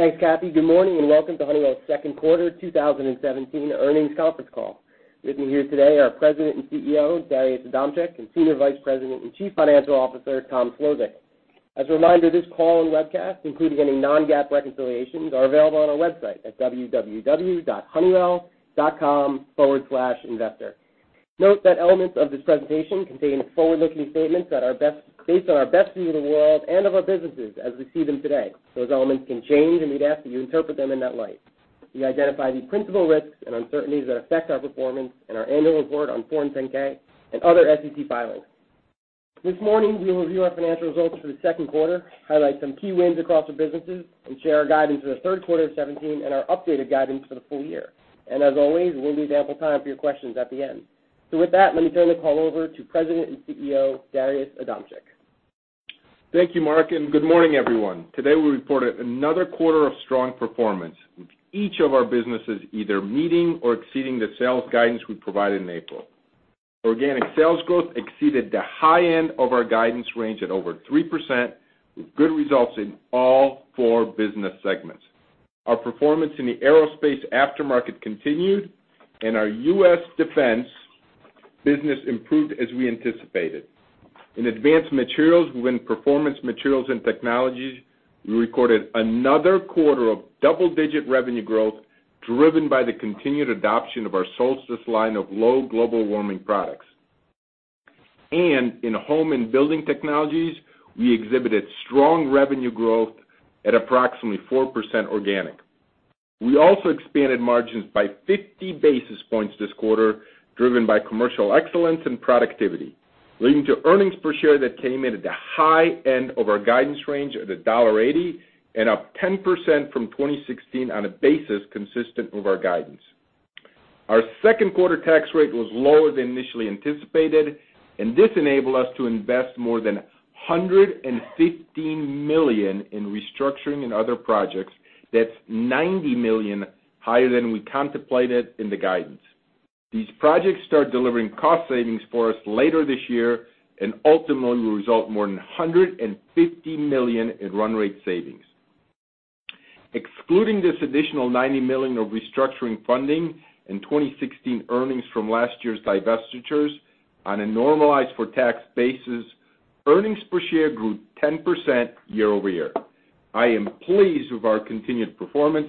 Thanks, Kathy. Good morning, welcome to Honeywell's second quarter 2017 earnings conference call. With me here today are President and CEO, Darius Adamczyk, and Senior Vice President and Chief Financial Officer, Tom Szlosek. As a reminder, this call and webcast, including any non-GAAP reconciliations, are available on our website at www.honeywell.com/investor. Note that elements of this presentation contain forward-looking statements that are based on our best view of the world and of our businesses as we see them today. Those elements can change, we'd ask that you interpret them in that light. We identify the principal risks and uncertainties that affect our performance in our annual report on Form 10-K and other SEC filings. This morning, we will review our financial results for the second quarter, highlight some key wins across our businesses, and share our guidance for the third quarter of 2017 and our updated guidance for the full year. As always, we'll leave ample time for your questions at the end. With that, let me turn the call over to President and CEO, Darius Adamczyk. Thank you, Mark. Good morning, everyone. Today we reported another quarter of strong performance, with each of our businesses either meeting or exceeding the sales guidance we provided in April. Organic sales growth exceeded the high end of our guidance range at over 3%, with good results in all four business segments. Our performance in the aerospace aftermarket continued, and our U.S. Defense business improved as we anticipated. In Advanced Materials, within Performance Materials and Technologies, we recorded another quarter of double-digit revenue growth driven by the continued adoption of our Solstice line of low global warming products. In Home and Building Technologies, we exhibited strong revenue growth at approximately 4% organic. We also expanded margins by 50 basis points this quarter, driven by commercial excellence and productivity, leading to earnings per share that came in at the high end of our guidance range at $1.80, up 10% from 2016 on a basis consistent with our guidance. Our second quarter tax rate was lower than initially anticipated, and this enabled us to invest more than $115 million in restructuring and other projects. That's $90 million higher than we contemplated in the guidance. These projects start delivering cost savings for us later this year, ultimately will result more than $150 million in run rate savings. Excluding this additional $90 million of restructuring funding and 2016 earnings from last year's divestitures, on a normalized for tax basis, earnings per share grew 10% year-over-year. I am pleased with our continued performance,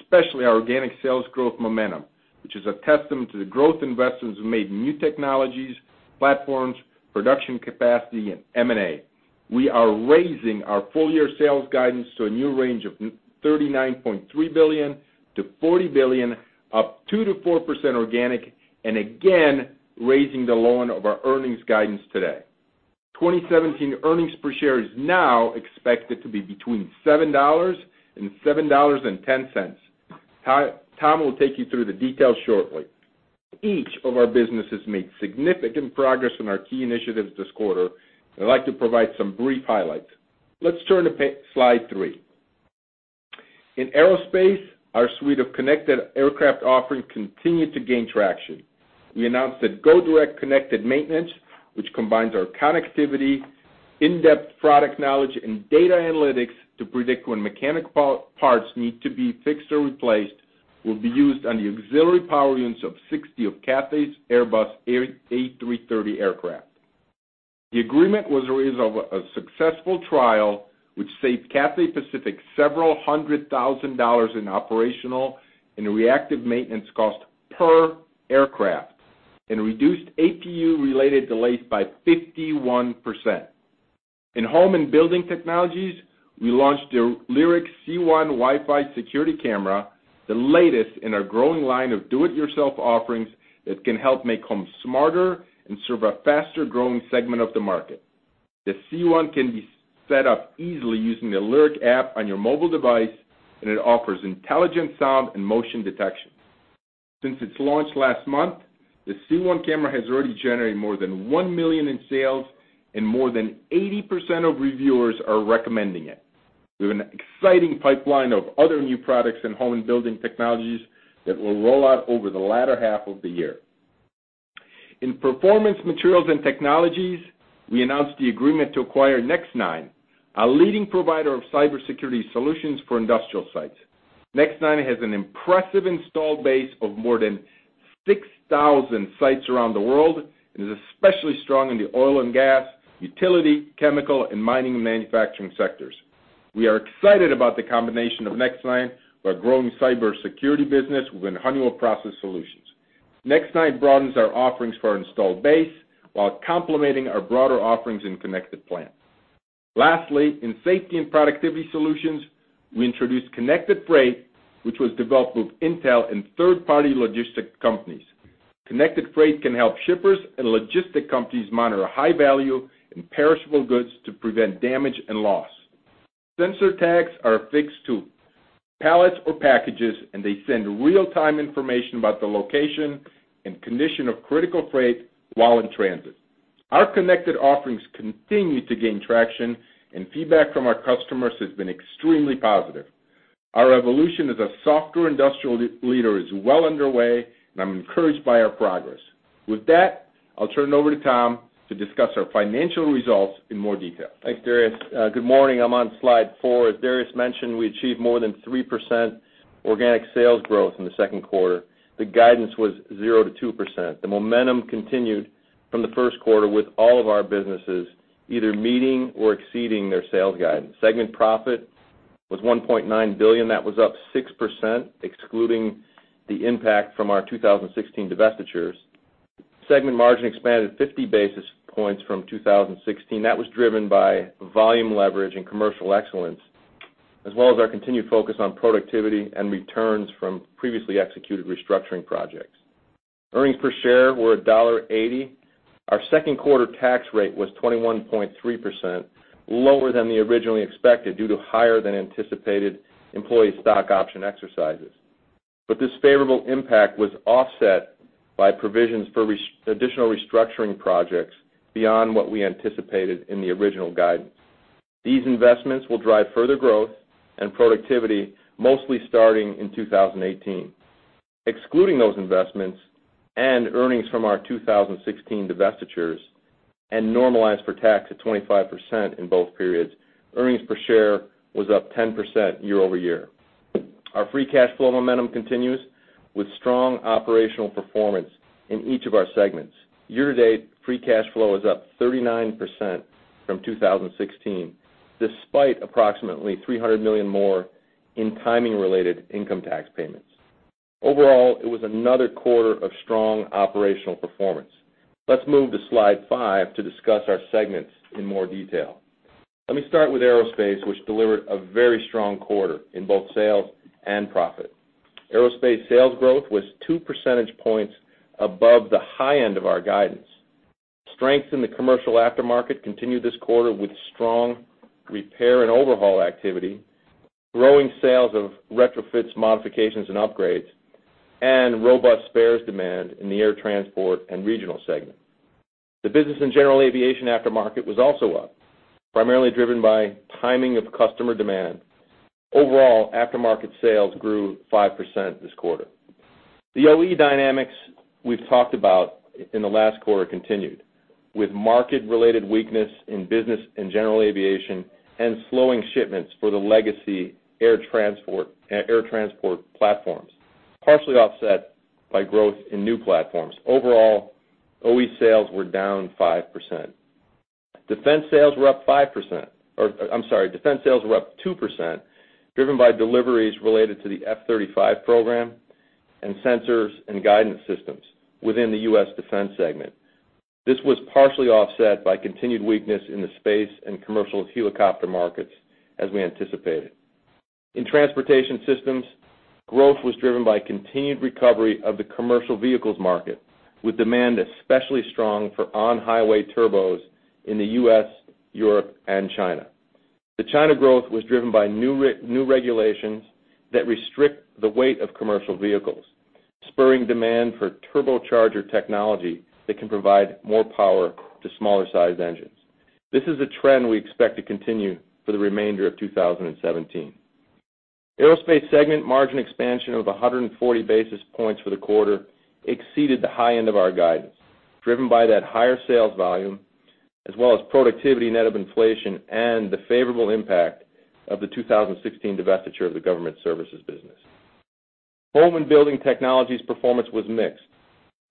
especially our organic sales growth momentum, which is a testament to the growth investments we made in new technologies, platforms, production capacity, and M&A. We are raising our full year sales guidance to a new range of $39.3 billion to $40 billion, up 2% to 4% organic, and again, raising the low end of our earnings guidance today. 2017 earnings per share is now expected to be between $7 and $7.10. Tom will take you through the details shortly. Each of our businesses made significant progress on our key initiatives this quarter. I'd like to provide some brief highlights. Let's turn to slide three. In Aerospace, our suite of connected aircraft offerings continued to gain traction. We announced that GoDirect Connected Maintenance, which combines our connectivity, in-depth product knowledge, and data analytics to predict when mechanical parts need to be fixed or replaced, will be used on the auxiliary power units of 60 of Cathay's Airbus A330 aircraft. The agreement was a result of a successful trial, which saved Cathay Pacific $ several hundred thousand in operational and reactive maintenance cost per aircraft and reduced APU related delays by 51%. In Home and Building Technologies, we launched the Lyric C1 Wi-Fi security camera, the latest in our growing line of do it yourself offerings that can help make homes smarter and serve a faster growing segment of the market. The C1 can be set up easily using the Lyric app on your mobile device, and it offers intelligent sound and motion detection. Since its launch last month, the C1 camera has already generated more than $1 million in sales, and more than 80% of reviewers are recommending it. We have an exciting pipeline of other new products in Home and Building Technologies that we'll roll out over the latter half of the year. In Performance Materials and Technologies, we announced the agreement to acquire Next9, a leading provider of cybersecurity solutions for industrial sites. Next9 has an impressive installed base of more than 6,000 sites around the world and is especially strong in the oil and gas, utility, chemical, and mining and manufacturing sectors. We are excited about the combination of Next9, our growing cybersecurity business within Honeywell Process Solutions. Next9 broadens our offerings for our installed base while complementing our broader offerings in Connected Plant. Lastly, in Safety and Productivity Solutions, we introduced Connected Freight, which was developed with Intel and third-party logistic companies. Connected Freight can help shippers and logistic companies monitor high value and perishable goods to prevent damage and loss. Sensor tags are affixed to pallets or packages, and they send real-time information about the location and condition of critical freight while in transit. Our connected offerings continue to gain traction, and feedback from our customers has been extremely positive. Our evolution as a software industrial leader is well underway, and I'm encouraged by our progress. With that, I'll turn it over to Tom to discuss our financial results in more detail. Thanks, Darius. Good morning. I'm on slide four. As Darius mentioned, we achieved more than 3% organic sales growth in the second quarter. The guidance was 0% to 2%. The momentum continued from the first quarter with all of our businesses either meeting or exceeding their sales guidance. Segment profit was $1.9 billion. That was up 6%, excluding the impact from our 2016 divestitures. Segment margin expanded 50 basis points from 2016. That was driven by volume leverage and commercial excellence, as well as our continued focus on productivity and returns from previously executed restructuring projects. Earnings per share were $1.80. Our second quarter tax rate was 21.3%, lower than originally expected due to higher than anticipated employee stock option exercises. This favorable impact was offset by provisions for additional restructuring projects beyond what we anticipated in the original guidance. These investments will drive further growth and productivity, mostly starting in 2018. Excluding those investments and earnings from our 2016 divestitures, and normalized for tax at 25% in both periods, earnings per share was up 10% year-over-year. Our free cash flow momentum continues with strong operational performance in each of our segments. Year to date, free cash flow is up 39% from 2016, despite approximately $300 million more in timing related income tax payments. Overall, it was another quarter of strong operational performance. Let's move to slide five to discuss our segments in more detail. Let me start with Aerospace, which delivered a very strong quarter in both sales and profit. Aerospace sales growth was two percentage points above the high end of our guidance. Strength in the commercial aftermarket continued this quarter with strong repair and overhaul activity, growing sales of retrofits, modifications, and upgrades, and robust spares demand in the air transport and regional segment. The business and general aviation aftermarket was also up, primarily driven by timing of customer demand. Overall, aftermarket sales grew 5% this quarter. The OE dynamics we've talked about in the last quarter continued, with market-related weakness in business and general aviation and slowing shipments for the legacy air transport platforms, partially offset by growth in new platforms. Overall, OE sales were down 5%. Defense sales were up 2%, driven by deliveries related to the F-35 program and sensors and guidance systems within the U.S. defense segment. This was partially offset by continued weakness in the space and commercial helicopter markets, as we anticipated. In Transportation Systems, growth was driven by continued recovery of the commercial vehicles market, with demand especially strong for on-highway turbos in the U.S., Europe, and China. The China growth was driven by new regulations that restrict the weight of commercial vehicles, spurring demand for turbocharger technology that can provide more power to smaller sized engines. This is a trend we expect to continue for the remainder of 2017. Aerospace segment margin expansion of 140 basis points for the quarter exceeded the high end of our guidance, driven by that higher sales volume, as well as productivity net of inflation and the favorable impact of the 2016 divestiture of the government services business. Home and Building Technologies performance was mixed,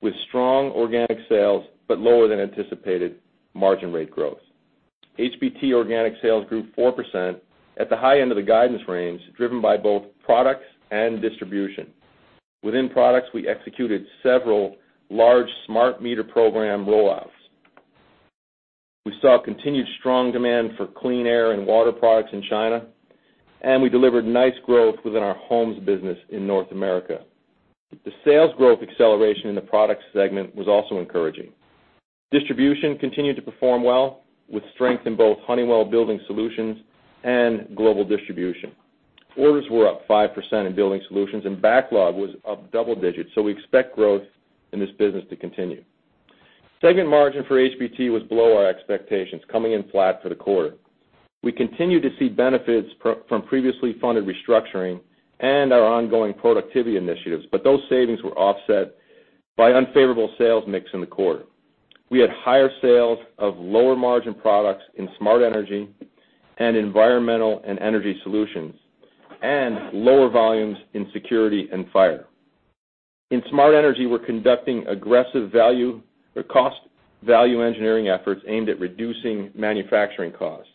with strong organic sales but lower than anticipated margin rate growth. HBT organic sales grew 4% at the high end of the guidance range, driven by both products and distribution. Within products, we executed several large smart meter program roll-outs. We saw continued strong demand for clean air and water products in China, and we delivered nice growth within our homes business in North America. The sales growth acceleration in the products segment was also encouraging. Distribution continued to perform well, with strength in both Honeywell Building Solutions and global distribution. Orders were up 5% in Building Solutions, and backlog was up double digits, we expect growth in this business to continue. Segment margin for HBT was below our expectations, coming in flat for the quarter. We continue to see benefits from previously funded restructuring and our ongoing productivity initiatives, but those savings were offset by unfavorable sales mix in the quarter. We had higher sales of lower margin products in smart energy and environmental and energy solutions, and lower volumes in security and fire. In smart energy, we're conducting aggressive cost value engineering efforts aimed at reducing manufacturing costs.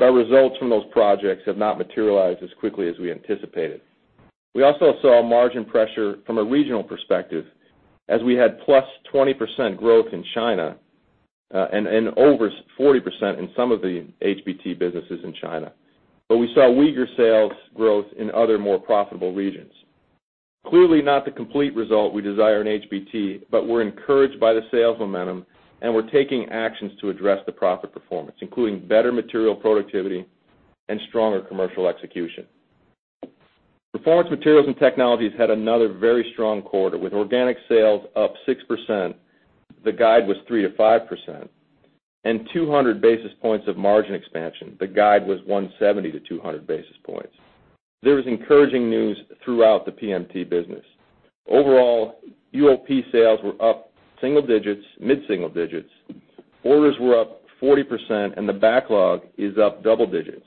Our results from those projects have not materialized as quickly as we anticipated. We also saw margin pressure from a regional perspective, as we had +20% growth in China, and over 40% in some of the HBT businesses in China. We saw weaker sales growth in other, more profitable regions. Clearly not the complete result we desire in HBT, we're encouraged by the sales momentum and we're taking actions to address the profit performance, including better material productivity and stronger commercial execution. Performance Materials & Technologies had another very strong quarter, with organic sales up 6%. The guide was 3%-5%. 200 basis points of margin expansion. The guide was 170-200 basis points. There was encouraging news throughout the PMT business. Overall, UOP sales were up mid-single digits, orders were up 40%, and the backlog is up double digits.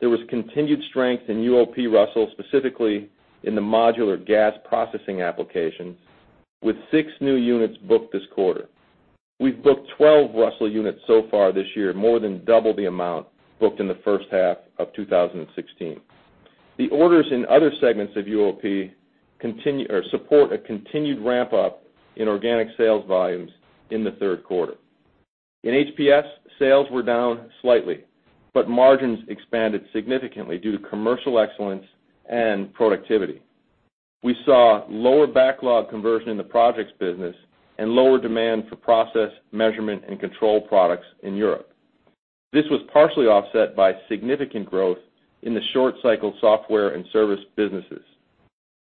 There was continued strength in UOP Russell, specifically in the modular gas processing applications, with six new units booked this quarter. We've booked 12 Russell units so far this year, more than double the amount booked in the first half of 2016. The orders in other segments of UOP support a continued ramp-up in organic sales volumes in the third quarter. In HPS, sales were down slightly, margins expanded significantly due to commercial excellence and productivity. We saw lower backlog conversion in the projects business and lower demand for process, measurement, and control products in Europe. This was partially offset by significant growth in the short-cycle software and service businesses.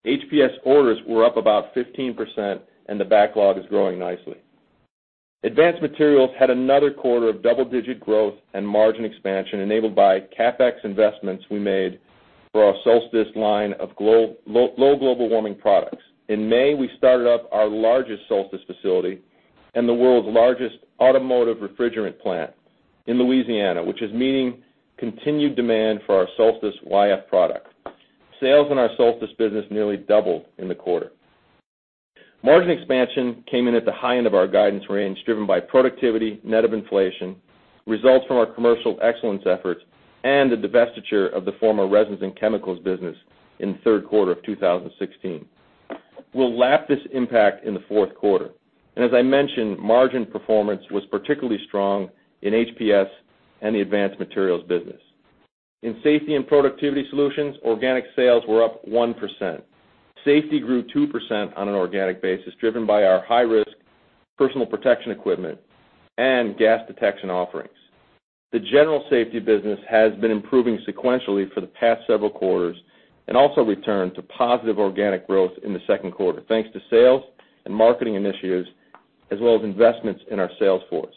HPS orders were up about 15% and the backlog is growing nicely. Advanced Materials had another quarter of double-digit growth and margin expansion enabled by CapEx investments we made for our Solstice line of low global warming products. In May, we started up our largest Solstice facility and the world's largest automotive refrigerant plant in Louisiana, which is meeting continued demand for our Solstice yf product. Sales in our Solstice business nearly doubled in the quarter. Margin expansion came in at the high end of our guidance range, driven by productivity, net of inflation, results from our commercial excellence efforts, and the divestiture of the former resins and chemicals business in the third quarter of 2016. We'll lap this impact in the fourth quarter. As I mentioned, margin performance was particularly strong in HPS and the Advanced Materials business. In Safety and Productivity Solutions, organic sales were up 1%. Safety grew 2% on an organic basis, driven by our high-risk personal protection equipment and gas detection offerings. The general safety business has been improving sequentially for the past several quarters and also returned to positive organic growth in the second quarter, thanks to sales and marketing initiatives, as well as investments in our sales force.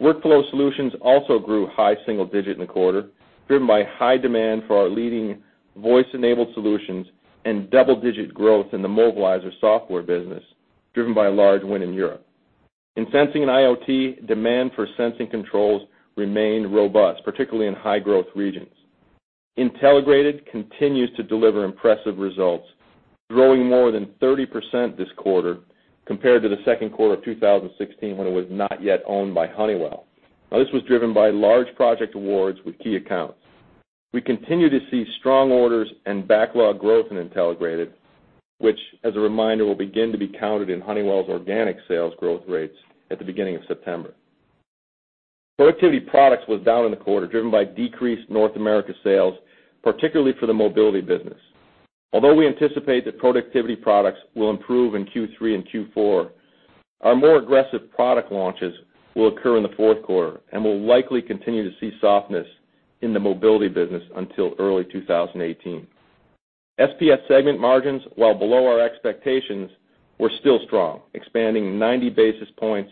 Workflow solutions also grew high single digit in the quarter, driven by high demand for our leading voice-enabled solutions and double-digit growth in the Movilizer software business, driven by a large win in Europe. In sensing and IoT, demand for sensing controls remained robust, particularly in high-growth regions. Intelligrated continues to deliver impressive results, growing more than 30% this quarter compared to the second quarter of 2016, when it was not yet owned by Honeywell. This was driven by large project awards with key accounts. We continue to see strong orders and backlog growth in Intelligrated, which, as a reminder, will begin to be counted in Honeywell's organic sales growth rates at the beginning of September. Productivity products was down in the quarter, driven by decreased North America sales, particularly for the mobility business. Although we anticipate that productivity products will improve in Q3 and Q4, our more aggressive product launches will occur in the fourth quarter, and we'll likely continue to see softness in the mobility business until early 2018. SPS segment margins, while below our expectations, were still strong, expanding 90 basis points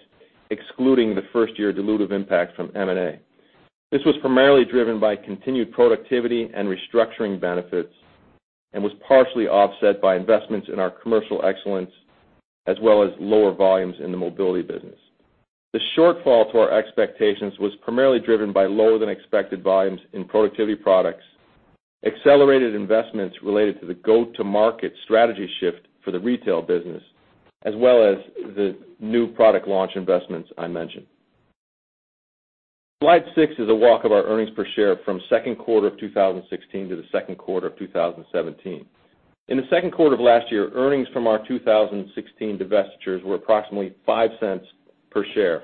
excluding the first-year dilutive impact from M&A. This was primarily driven by continued productivity and restructuring benefits and was partially offset by investments in our commercial excellence, as well as lower volumes in the mobility business. The shortfall to our expectations was primarily driven by lower than expected volumes in productivity products, accelerated investments related to the go-to-market strategy shift for the retail business, as well as the new product launch investments I mentioned. Slide six is a walk of our earnings per share from second quarter of 2016 to the second quarter of 2017. In the second quarter of last year, earnings from our 2016 divestitures were approximately $0.05 per share.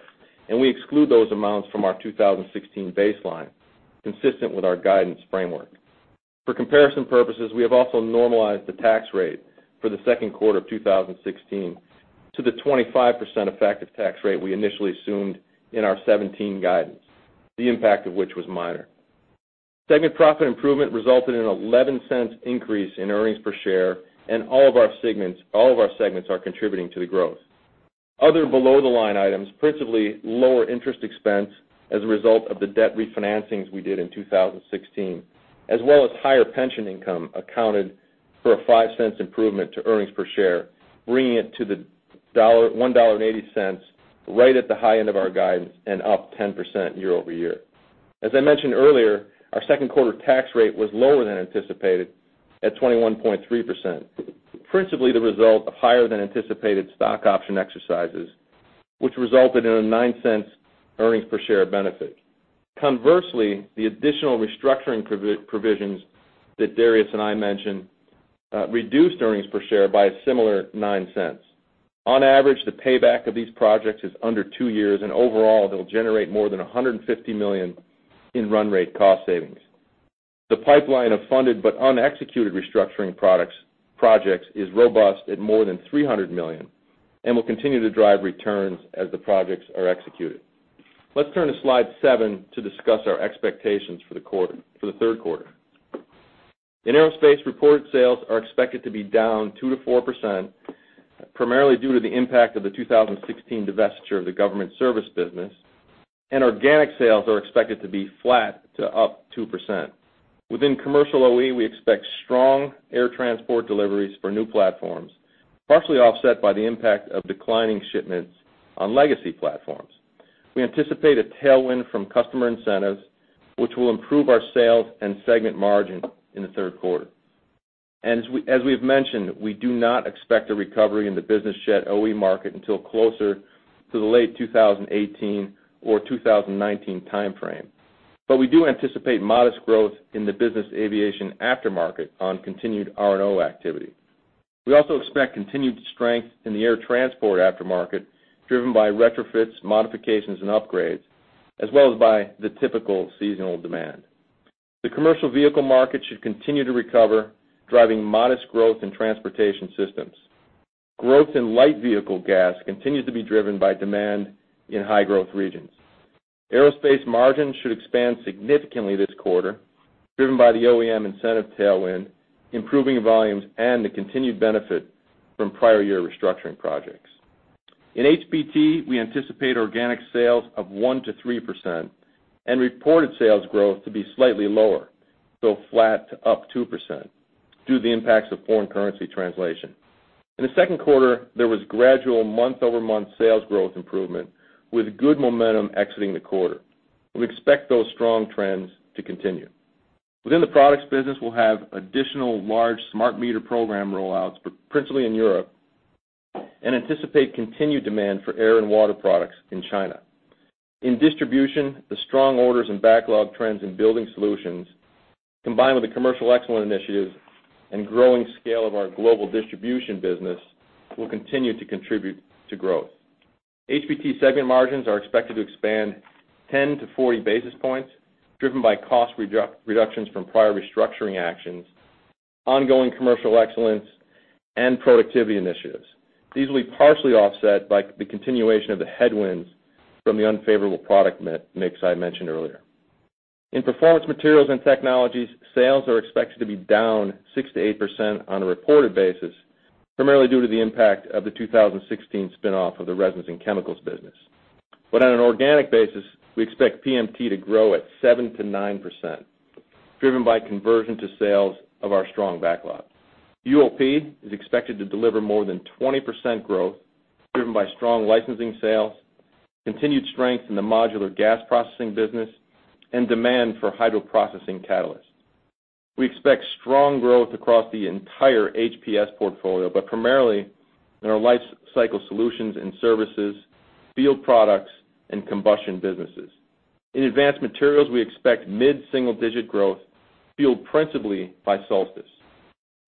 We exclude those amounts from our 2016 baseline, consistent with our guidance framework. For comparison purposes, we have also normalized the tax rate for the second quarter of 2016 to the 25% effective tax rate we initially assumed in our 2017 guidance, the impact of which was minor. Segment profit improvement resulted in an $0.11 increase in earnings per share. All of our segments are contributing to the growth. Other below-the-line items, principally lower interest expense as a result of the debt refinancings we did in 2016, as well as higher pension income, accounted for a $0.05 improvement to earnings per share, bringing it to the $1.80, right at the high end of our guidance and up 10% year-over-year. As I mentioned earlier, our second quarter tax rate was lower than anticipated at 21.3%, principally the result of higher than anticipated stock option exercises, which resulted in a $0.09 earnings per share benefit. Conversely, the additional restructuring provisions that Darius and I mentioned reduced earnings per share by a similar $0.09. On average, the payback of these projects is under two years. Overall, they'll generate more than $150 million in run rate cost savings. The pipeline of funded but unexecuted restructuring projects is robust at more than $300 million and will continue to drive returns as the projects are executed. Let's turn to slide seven to discuss our expectations for the third quarter. In aerospace, reported sales are expected to be down 2%-4%, primarily due to the impact of the 2016 divestiture of the government service business, and organic sales are expected to be flat to up 2%. Within commercial OE, we expect strong air transport deliveries for new platforms, partially offset by the impact of declining shipments on legacy platforms. We anticipate a tailwind from customer incentives, which will improve our sales and segment margin in the third quarter. As we've mentioned, we do not expect a recovery in the business jet OE market until closer to the late 2018 or 2019 timeframe. We do anticipate modest growth in the business aviation aftermarket on continued R&O activity. We also expect continued strength in the air transport aftermarket, driven by retrofits, modifications, and upgrades, as well as by the typical seasonal demand. The commercial vehicle market should continue to recover, driving modest growth in transportation systems. Growth in light vehicle gas continues to be driven by demand in high growth regions. Aerospace margins should expand significantly this quarter, driven by the OEM incentive tailwind, improving volumes, and the continued benefit from prior year restructuring projects. In HBT, we anticipate organic sales of 1%-3% and reported sales growth to be slightly lower, so flat to up 2%, due to the impacts of foreign currency translation. In the second quarter, there was gradual month-over-month sales growth improvement with good momentum exiting the quarter. We expect those strong trends to continue. Within the products business, we'll have additional large smart meter program rollouts, principally in Europe, and anticipate continued demand for air and water products in China. In distribution, the strong orders and backlog trends in Honeywell Building Solutions, combined with the commercial excellence initiatives and growing scale of our global distribution business, will continue to contribute to growth. HBT segment margins are expected to expand 10 to 40 basis points, driven by cost reductions from prior restructuring actions, ongoing commercial excellence, and productivity initiatives. These will be partially offset by the continuation of the headwinds from the unfavorable product mix I mentioned earlier. In Performance Materials and Technologies, sales are expected to be down 6%-8% on a reported basis, primarily due to the impact of the 2016 spin-off of the resins and chemicals business. On an organic basis, we expect PMT to grow at 7%-9%, driven by conversion to sales of our strong backlog. UOP is expected to deliver more than 20% growth, driven by strong licensing sales, continued strength in the modular gas processing business, and demand for hydroprocessing catalysts. We expect strong growth across the entire HPS portfolio, but primarily in our life cycle solutions and services, field products, and combustion businesses. In Advanced Materials, we expect mid-single-digit growth, fueled principally by Solstice.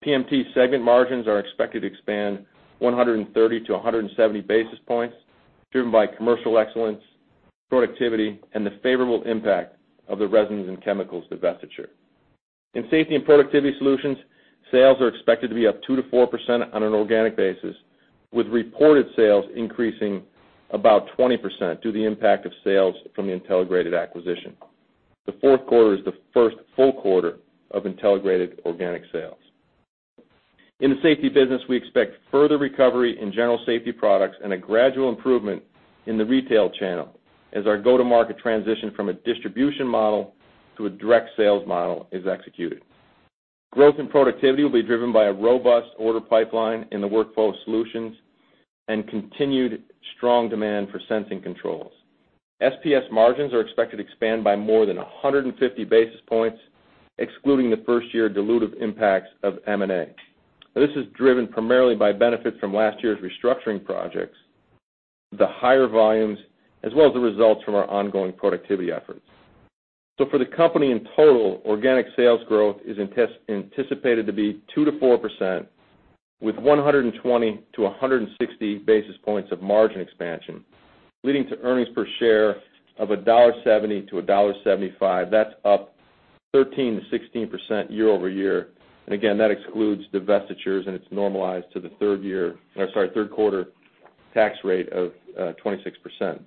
PMT segment margins are expected to expand 130 to 170 basis points, driven by commercial excellence, productivity, and the favorable impact of the resins and chemicals divestiture. In Safety and Productivity Solutions, sales are expected to be up 2%-4% on an organic basis, with reported sales increasing about 20% due to the impact of sales from the Intelligrated acquisition. The fourth quarter is the first full quarter of Intelligrated organic sales. In the safety business, we expect further recovery in general safety products and a gradual improvement in the retail channel as our go-to-market transition from a distribution model to a direct sales model is executed. Growth and productivity will be driven by a robust order pipeline in the workflow solutions and continued strong demand for sensing controls. SPS margins are expected to expand by more than 150 basis points, excluding the first-year dilutive impacts of M&A. This is driven primarily by benefits from last year's restructuring projects, the higher volumes, as well as the results from our ongoing productivity efforts. For the company in total, organic sales growth is anticipated to be 2%-4%, with 120 to 160 basis points of margin expansion, leading to earnings per share of $1.70-$1.75. That's up 13%-16% year-over-year. Again, that excludes divestitures, and it's normalized to the third quarter tax rate of 26%.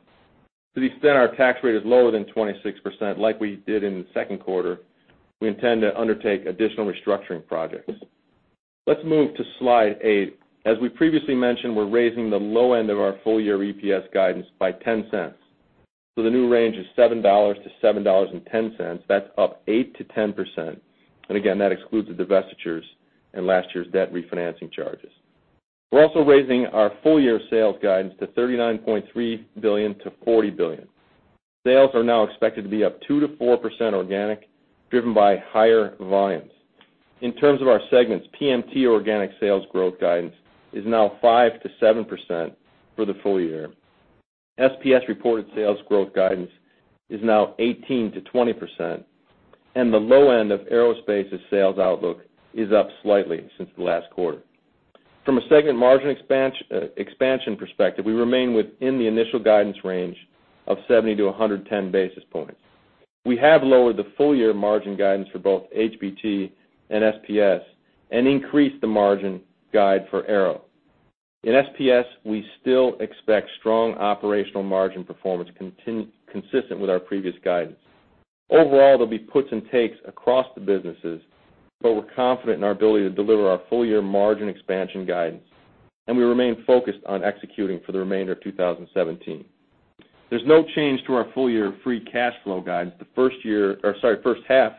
To the extent our tax rate is lower than 26%, like we did in the second quarter, we intend to undertake additional restructuring projects. Let's move to slide nine. As we previously mentioned, we're raising the low end of our full-year EPS guidance by $0.10. The new range is $7-$7.10. That's up 8%-10%. Again, that excludes the divestitures and last year's debt refinancing charges. We're also raising our full-year sales guidance to $39.3 billion-$40 billion. Sales are now expected to be up 2%-4% organic, driven by higher volumes. In terms of our segments, PMT organic sales growth guidance is now 5%-7% for the full year. SPS reported sales growth guidance is now 18%-20%, and the low end of Aerospace's sales outlook is up slightly since the last quarter. From a segment margin expansion perspective, we remain within the initial guidance range of 70 to 110 basis points. We have lowered the full-year margin guidance for both HBT and SPS and increased the margin guide for Aero. In SPS, we still expect strong operational margin performance consistent with our previous guidance. Overall, there'll be puts and takes across the businesses, but we're confident in our ability to deliver our full-year margin expansion guidance, and we remain focused on executing for the remainder of 2017. There's no change to our full-year free cash flow guidance. The first half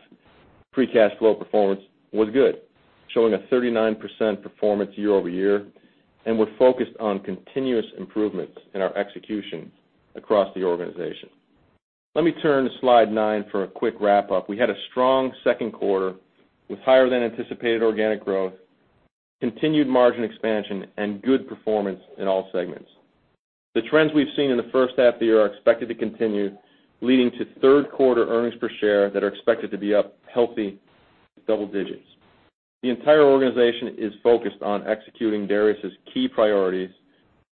free cash flow performance was good, showing a 39% performance year-over-year, and we're focused on continuous improvements in our execution across the organization. Let me turn to slide nine for a quick wrap-up. We had a strong second quarter with higher than anticipated organic growth, continued margin expansion, and good performance in all segments. The trends we've seen in the first half of the year are expected to continue, leading to third quarter earnings per share that are expected to be up healthy double digits. The entire organization is focused on executing Darius' key priorities,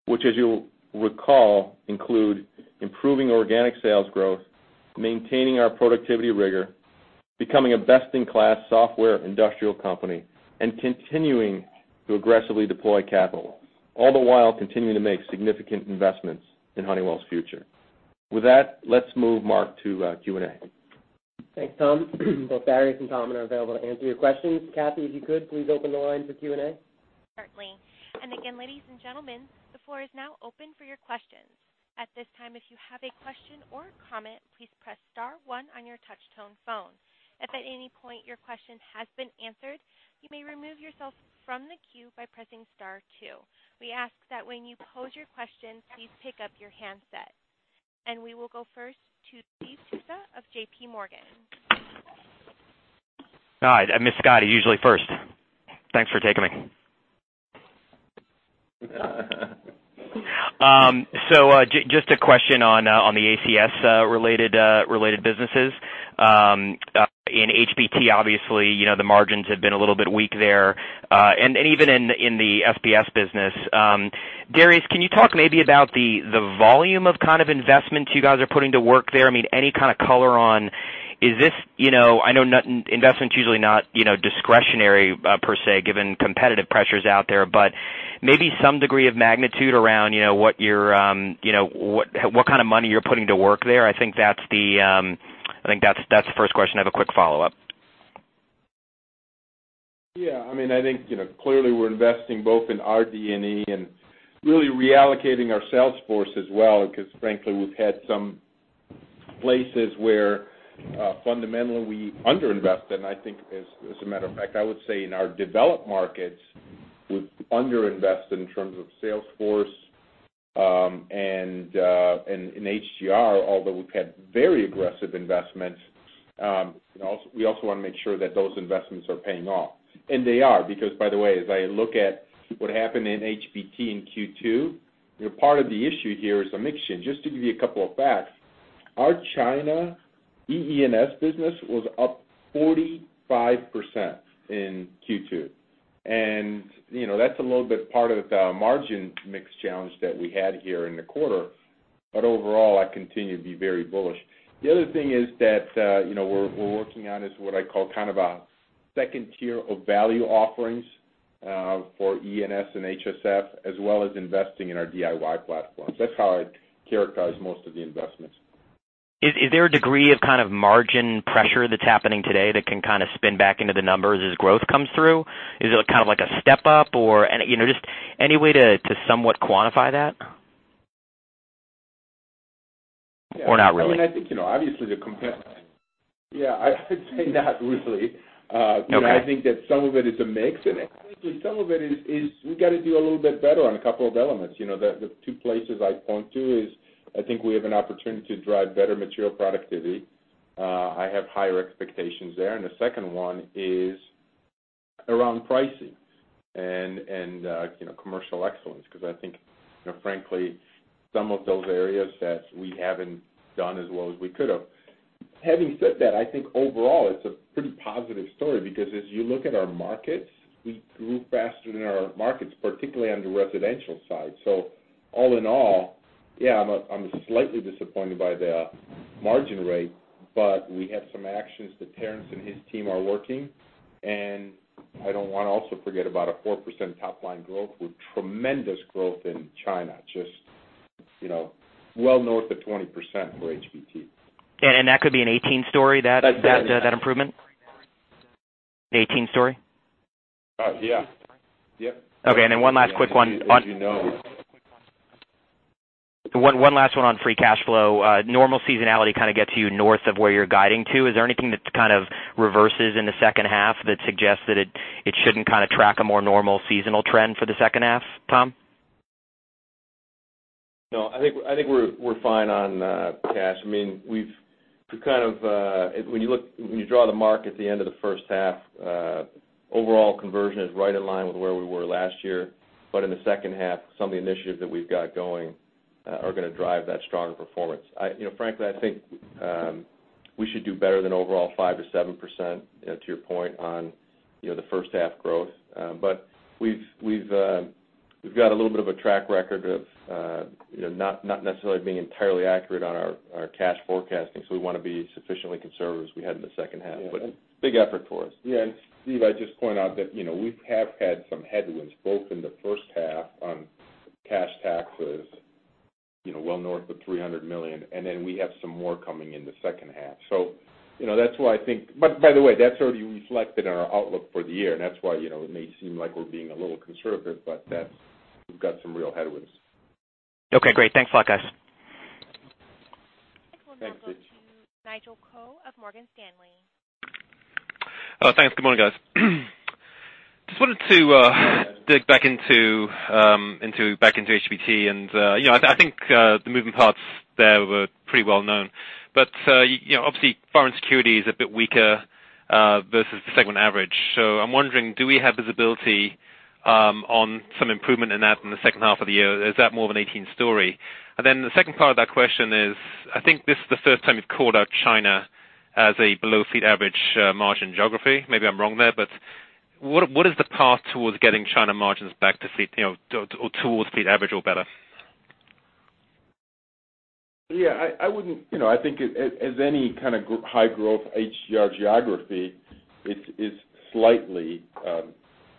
which, as you'll recall, include improving organic sales growth, maintaining our productivity rigor, becoming a best-in-class software industrial company, and continuing to aggressively deploy capital, all the while continuing to make significant investments in Honeywell's future. With that, let's move, Mark, to Q&A. Thanks, Tom. Both Darius and Tom are available to answer your questions. Kathy, if you could, please open the lines for Q&A. Certainly. Again, ladies and gentlemen, the floor is now open for your questions. At this time, if you have a question or a comment, please press star one on your touch-tone phone. If at any point your question has been answered, you may remove yourself from the queue by pressing star two. We ask that when you pose your question, please pick up your handset. We will go first to Steve Tusa of JPMorgan. Hi, I missed Scottie usually first. Thanks for taking me. Just a question on the ACS-related businesses. In HBT, obviously, the margins have been a little bit weak there, and even in the SPS business. Darius, can you talk maybe about the volume of kind of investments you guys are putting to work there? I mean, any kind of color on, I know investment's usually not discretionary per se, given competitive pressures out there, but maybe some degree of magnitude around what kind of money you're putting to work there. I think that's the first question. I have a quick follow-up. Yeah, I think, clearly, we're investing both in RD&E and really reallocating our sales force as well because frankly, we've had some places where fundamentally we under-invested. I think, as a matter of fact, I would say in our developed markets, we've under-invested in terms of sales force, and in HGR, although we've had very aggressive investments, we also want to make sure that those investments are paying off. They are, because by the way, as I look at what happened in HBT in Q2, part of the issue here is a mix change. Just to give you a couple of facts, our China EENS business was up 45% in Q2. That's a little bit part of the margin mix challenge that we had here in the quarter. Overall, I continue to be very bullish. The other thing is that we're working on is what I call kind of a second tier of value offerings for EENS and HSF, as well as investing in our DIY platforms. That's how I'd characterize most of the investments. Is there a degree of kind of margin pressure that's happening today that can kind of spin back into the numbers as growth comes through? Is it kind of like a step up, or just any way to somewhat quantify that? Not really. I think obviously the comp. Yeah, I'd say not really. Okay. I think that some of it is a mix, and I think some of it is we got to do a little bit better on a couple of elements. The two places I'd point to is I think we have an opportunity to drive better material productivity. I have higher expectations there. The second one is around pricing and commercial excellence, because I think, frankly, some of those areas that we haven't done as well as we could have. Having said that, I think overall it's a pretty positive story because as you look at our markets, we grew faster than our markets, particularly on the residential side. All in all, yeah, I'm slightly disappointed by the margin rate, but we have some actions that Terrence and his team are working on, and I don't want to also forget about a 4% top-line growth with tremendous growth in China, just well north of 20% for HBT. That could be a 2018 story, that improvement? A 2018 story? Yeah. Okay, one last quick one. As you know. One last one on free cash flow. Normal seasonality kind of gets you north of where you're guiding to. Is there anything that kind of reverses in the second half that suggests that it shouldn't kind of track a more normal seasonal trend for the second half, Tom? I think we're fine on cash. When you draw the mark at the end of the first half, overall conversion is right in line with where we were last year. In the second half, some of the initiatives that we've got going are going to drive that stronger performance. Frankly, I think we should do better than overall 5% to 7%, to your point on the first half growth. We've got a little bit of a track record of not necessarily being entirely accurate on our cash forecasting. We want to be sufficiently conservative as we head into the second half. Big effort for us. Steve, I'd just point out that we have had some headwinds, both in the first half on cash taxes Well north of $300 million. We have some more coming in the second half. By the way, that's already reflected in our outlook for the year. That's why it may seem like we're being a little conservative, but we've got some real headwinds. Okay, great. Thanks a lot, guys. Thanks, Rich. Next we'll now go to Nigel Coe of Morgan Stanley. Thanks. Good morning, guys. Just wanted to dig back into HBT and I think the moving parts there were pretty well known. Obviously, fire and security is a bit weaker versus the segment average. I'm wondering, do we have visibility on some improvement in that in the second half of the year? Is that more of a 2018 story? The second part of that question is, I think this is the first time you've called out China as a below fleet average margin geography. Maybe I'm wrong there, but what is the path towards getting China margins back towards fleet average or better? Yeah. I think as any kind of high growth HGR geography, it is slightly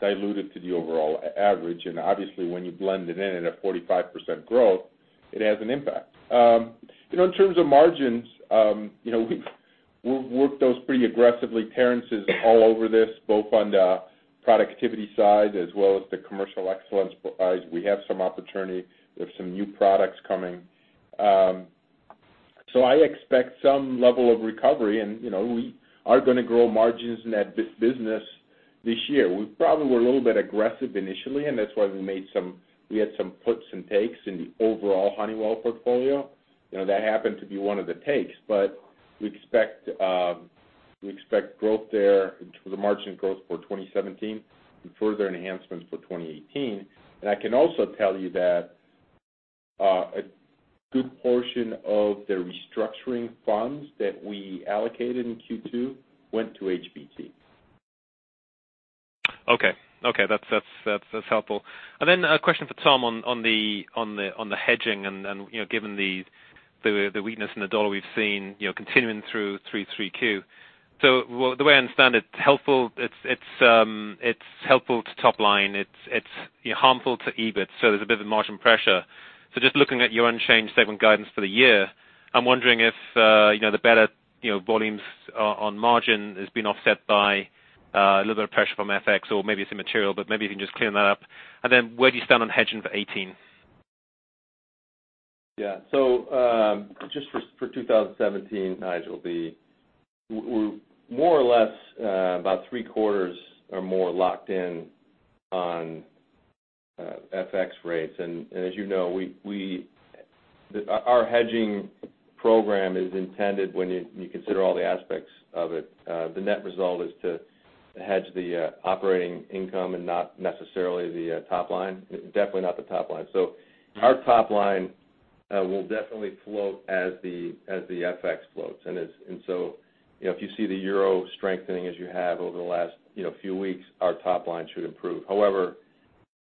diluted to the overall average. Obviously, when you blend it in at a 45% growth, it has an impact. In terms of margins, we will work those pretty aggressively. Terrence is all over this, both on the productivity side as well as the commercial excellence side. We have some opportunity. We have some new products coming. I expect some level of recovery and we are going to grow margins in that business this year. We probably were a little bit aggressive initially, and that is why we had some puts and takes in the overall Honeywell portfolio. That happened to be one of the takes, but we expect growth there, the margin growth for 2017 and further enhancements for 2018. I can also tell you that a good portion of the restructuring funds that we allocated in Q2 went to HBT. Okay. That is helpful. Then a question for Tom on the hedging and given the weakness in the dollar we have seen continuing through 3Q. The way I understand it is helpful to top line, it is harmful to EBIT, there is a bit of a margin pressure. Just looking at your unchanged segment guidance for the year, I am wondering if the better volumes on margin has been offset by a little bit of pressure from FX or maybe it is immaterial, but maybe you can just clear that up. Then where do you stand on hedging for 2018? Yeah. Just for 2017, Nigel, we are more or less about three quarters or more locked in on FX rates. As you know, our hedging program is intended when you consider all the aspects of it, the net result is to hedge the operating income and not necessarily the top line. Definitely not the top line. Our top line will definitely float as the FX floats. If you see the euro strengthening as you have over the last few weeks, our top line should improve. However,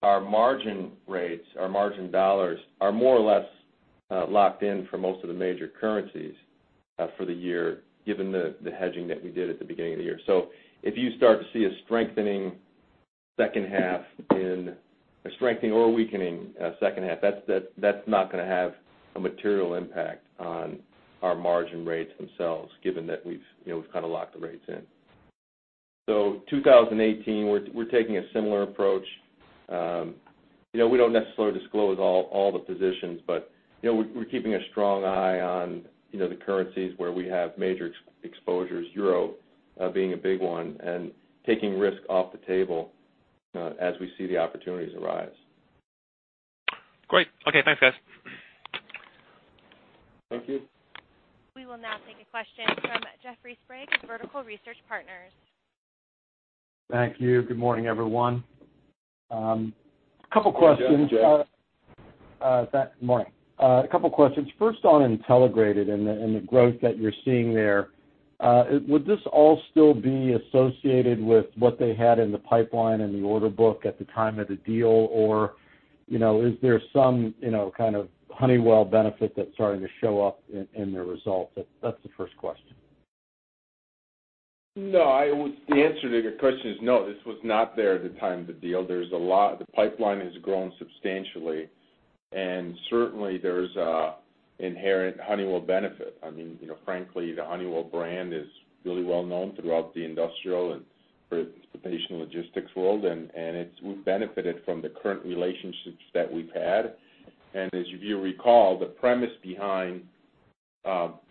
our margin rates, our margin dollars, are more or less locked in for most of the major currencies for the year, given the hedging that we did at the beginning of the year. If you start to see a strengthening or a weakening second half, that's not going to have a material impact on our margin rates themselves, given that we've locked the rates in. 2018, we're taking a similar approach. We don't necessarily disclose all the positions, but we're keeping a strong eye on the currencies where we have major exposures, EUR being a big one, and taking risk off the table as we see the opportunities arise. Great. Okay, thanks, guys. Thank you. We will now take a question from Jeffrey Sprague of Vertical Research Partners. Thank you. Good morning, everyone. Couple questions. Good morning, Jeff. Morning. A couple questions. First on Intelligrated and the growth that you're seeing there. Would this all still be associated with what they had in the pipeline and the order book at the time of the deal, or is there some kind of Honeywell benefit that's starting to show up in the results? That's the first question. No. The answer to your question is no, this was not there at the time of the deal. The pipeline has grown substantially, and certainly there's an inherent Honeywell benefit. Frankly, the Honeywell brand is really well-known throughout the industrial and transportation logistics world, and we've benefited from the current relationships that we've had. As you recall, the premise behind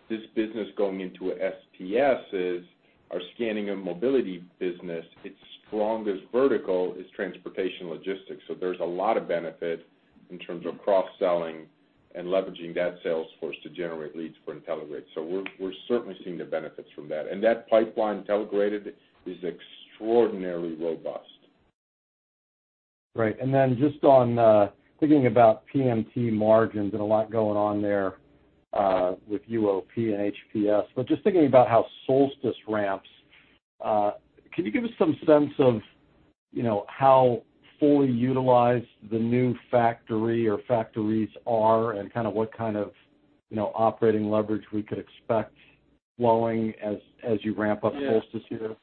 this business going into an SPS is our scanning and mobility business. Its strongest vertical is transportation logistics. There's a lot of benefit in terms of cross-selling and leveraging that sales force to generate leads for Intelligrated. We're certainly seeing the benefits from that. That pipeline, Intelligrated, is extraordinarily robust. Right. Then just on thinking about PMT margins and a lot going on there with UOP and HPS. Just thinking about how Solstice ramps, can you give us some sense of how fully utilized the new factory or factories are and what kind of operating leverage we could expect flowing as you ramp up Solstice here?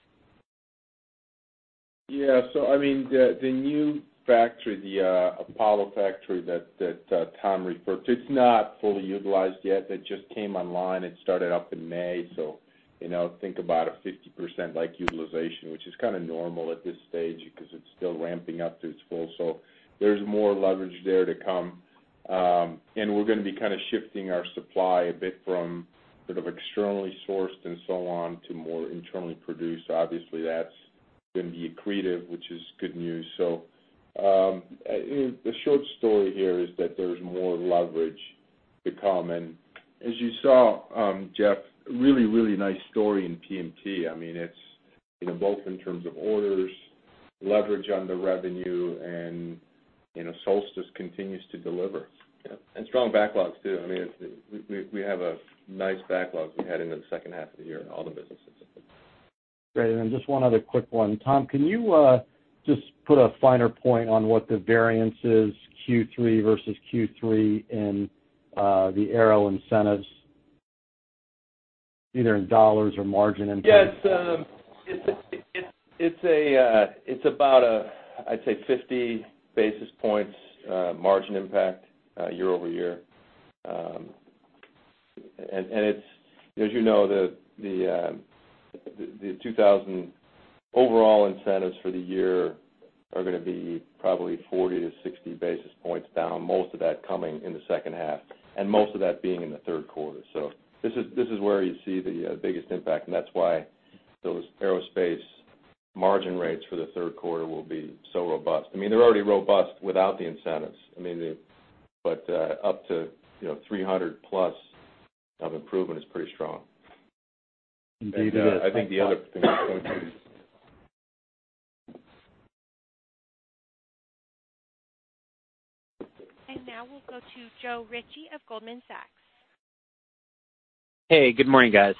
Yeah. The new factory, the Apollo factory that Tom referred to, it's not fully utilized yet. It just came online. It started up in May, think about a 50% utilization, which is kind of normal at this stage because it's still ramping up to its full. There's more leverage there to come. We're going to be shifting our supply a bit from sort of externally sourced and so on, to more internally produced. Obviously, that's going to be accretive, which is good news. The short story here is that there's more leverage there to come. As you saw, Jeff, really, really nice story in PMT. Both in terms of orders, leverage on the revenue, and Solstice continues to deliver. Yep. Strong backlogs, too. We have a nice backlog we had in the second half of the year in all the businesses. Great. Then just one other quick one. Tom, can you just put a finer point on what the variance is Q3 versus Q3 in the Aero incentives, either in $ or margin impact? Yes. It's about, I'd say 50 basis points margin impact year-over-year. As you know, the 2000 overall incentives for the year are going to be probably 40-60 basis points down, most of that coming in the second half, and most of that being in the third quarter. This is where you see the biggest impact, and that's why those aerospace margin rates for the third quarter will be so robust. They're already robust without the incentives. Up to 300 plus of improvement is pretty strong. Indeed, it is. I think the other thing I'd point to is. Now we'll go to Joe Ritchie of Goldman Sachs. Hey, good morning, guys.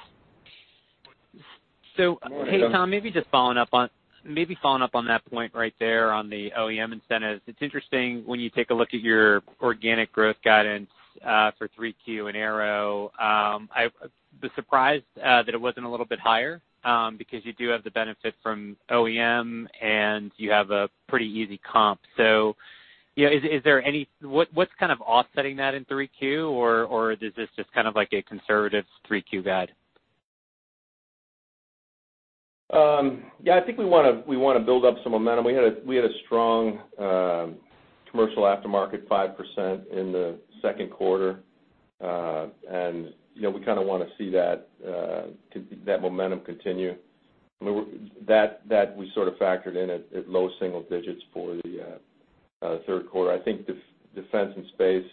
Good morning, Joe. Hey, Tom, maybe following up on that point right there on the OEM incentives. It's interesting when you take a look at your organic growth guidance for 3Q and Aero. I was surprised that it wasn't a little bit higher, because you do have the benefit from OEM, and you have a pretty easy comp. What's kind of offsetting that in 3Q or is this just kind of like a conservative 3Q guide? Yeah, I think we want to build up some momentum. We had a strong commercial aftermarket, 5% in the second quarter. We kind of want to see that momentum continue. That, we sort of factored in at low single digits for the third quarter. I think Defense & Space,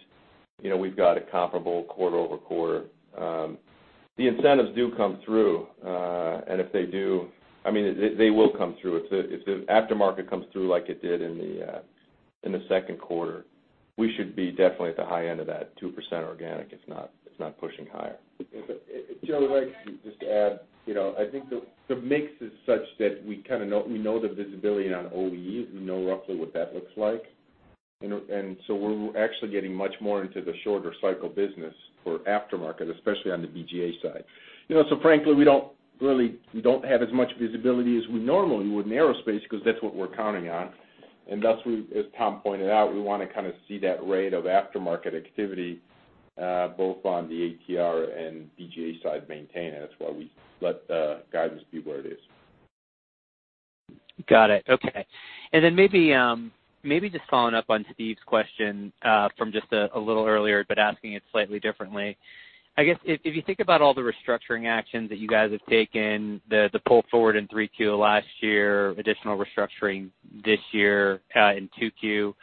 we've got a comparable quarter-over-quarter. The incentives do come through. If they do, they will come through. If the aftermarket comes through like it did in the second quarter, we should be definitely at the high end of that 2% organic, if not pushing higher. Joe, if I could just add. I think the mix is such that we know the visibility on OE, we know roughly what that looks like. We're actually getting much more into the shorter cycle business for aftermarket, especially on the BGA side. Frankly, we don't have as much visibility as we normally would in aerospace because that's what we're counting on. Thus, as Tom pointed out, we want to kind of see that rate of aftermarket activity both on the ATR and BGA side maintain, and that's why we let the guidance be where it is. Got it. Okay. Then maybe just following up on Steve's question from just a little earlier, but asking it slightly differently. I guess, if you think about all the restructuring actions that you guys have taken, the pull forward in 3Q last year, additional restructuring this year in 2Q,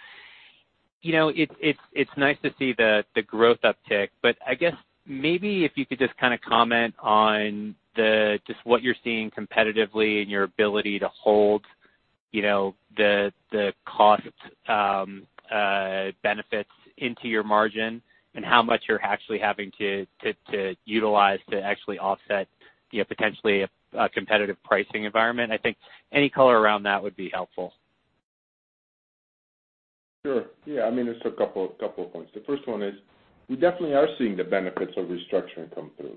it's nice to see the growth uptick. I guess, maybe if you could just comment on just what you're seeing competitively in your ability to hold the cost benefits into your margin and how much you're actually having to utilize to actually offset potentially a competitive pricing environment. I think any color around that would be helpful. Sure. Yeah. There's a couple of points. The first one is, we definitely are seeing the benefits of restructuring come through.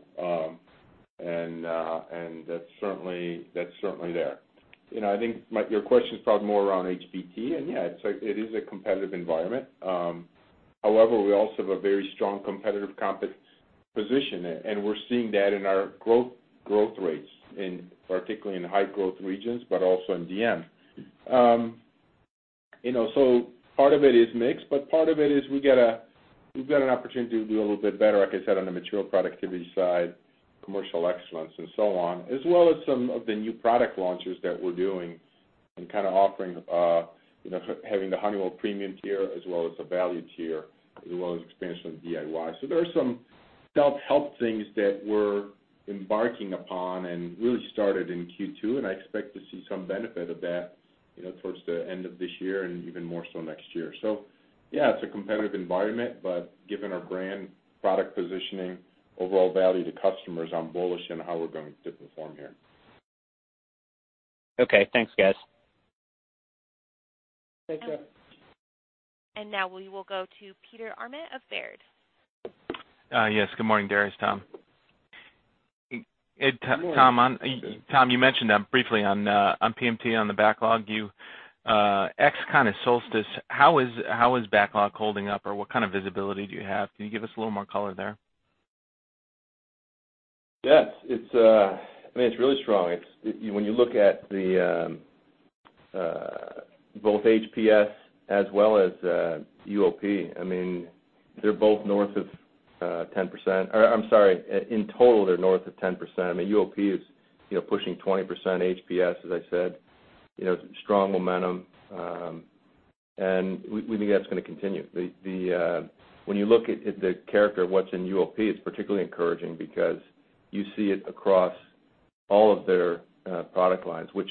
That's certainly there. I think your question is probably more around HBT, and yeah, it is a competitive environment. However, we also have a very strong competitive position, and we're seeing that in our growth rates, particularly in High Growth Regions, but also in DM. Part of it is mix, but part of it is we've got an opportunity to do a little bit better, like I said, on the material productivity side, commercial excellence and so on, as well as some of the new product launches that we're doing and kind of offering, having the Honeywell premium tier, as well as the value tier, as well as expansion of DIY. There are some self-help things that we're embarking upon and really started in Q2, and I expect to see some benefit of that towards the end of this year and even more so next year. Yeah, it's a competitive environment, but given our brand product positioning, overall value to customers, I'm bullish on how we're going to perform here. Okay. Thanks, guys. Take care. Now we will go to Peter Arment of Baird. Yes. Good morning, Darius, Tom. Good morning, Peter. Tom, you mentioned briefly on PMT on the backlog, you ex kind of Solstice, how is backlog holding up or what kind of visibility do you have? Can you give us a little more color there? Yes. It's really strong. When you look at both Honeywell Process Solutions as well as UOP, in total they're north of 10%. UOP is pushing 20%. Honeywell Process Solutions, as I said, strong momentum. We think that's going to continue. When you look at the character of what's in UOP, it's particularly encouraging because you see it across all of their product lines, which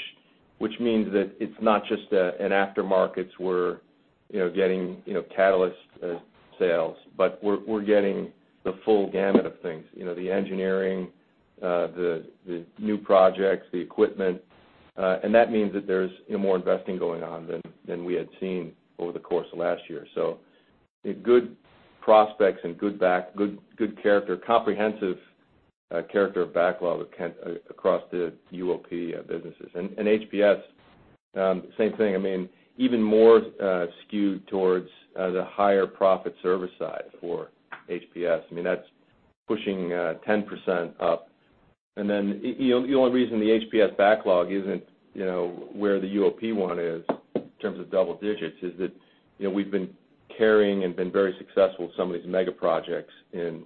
means that it's not just an aftermarkets we're getting catalyst sales, but we're getting the full gamut of things, the engineering, the new projects, the equipment. That means that there's more investing going on than we had seen over the course of last year. Good prospects and good character, comprehensive character of backlog across the UOP businesses. Honeywell Process Solutions, same thing. Even more skewed towards the higher profit service side for Honeywell Process Solutions. That's pushing 10% up. The only reason the Honeywell Process Solutions backlog isn't where the UOP one is in terms of double digits is that we've been carrying and been very successful with some of these mega projects in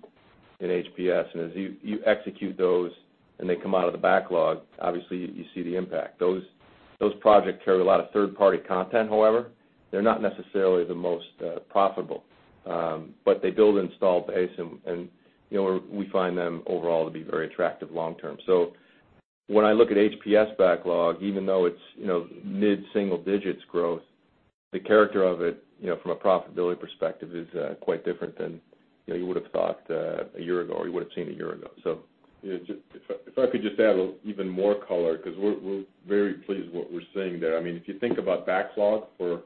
Honeywell Process Solutions. As you execute those and they come out of the backlog, obviously you see the impact. Those projects carry a lot of third-party content, however, they're not necessarily the most profitable. They build install base, and we find them overall to be very attractive long-term. When I look at Honeywell Process Solutions backlog, even though it's mid-single digits growth, the character of it from a profitability perspective is quite different than you would've thought a year ago, or you would've seen a year ago. If I could just add even more color, because we're very pleased with what we're seeing there. If you think about backlog for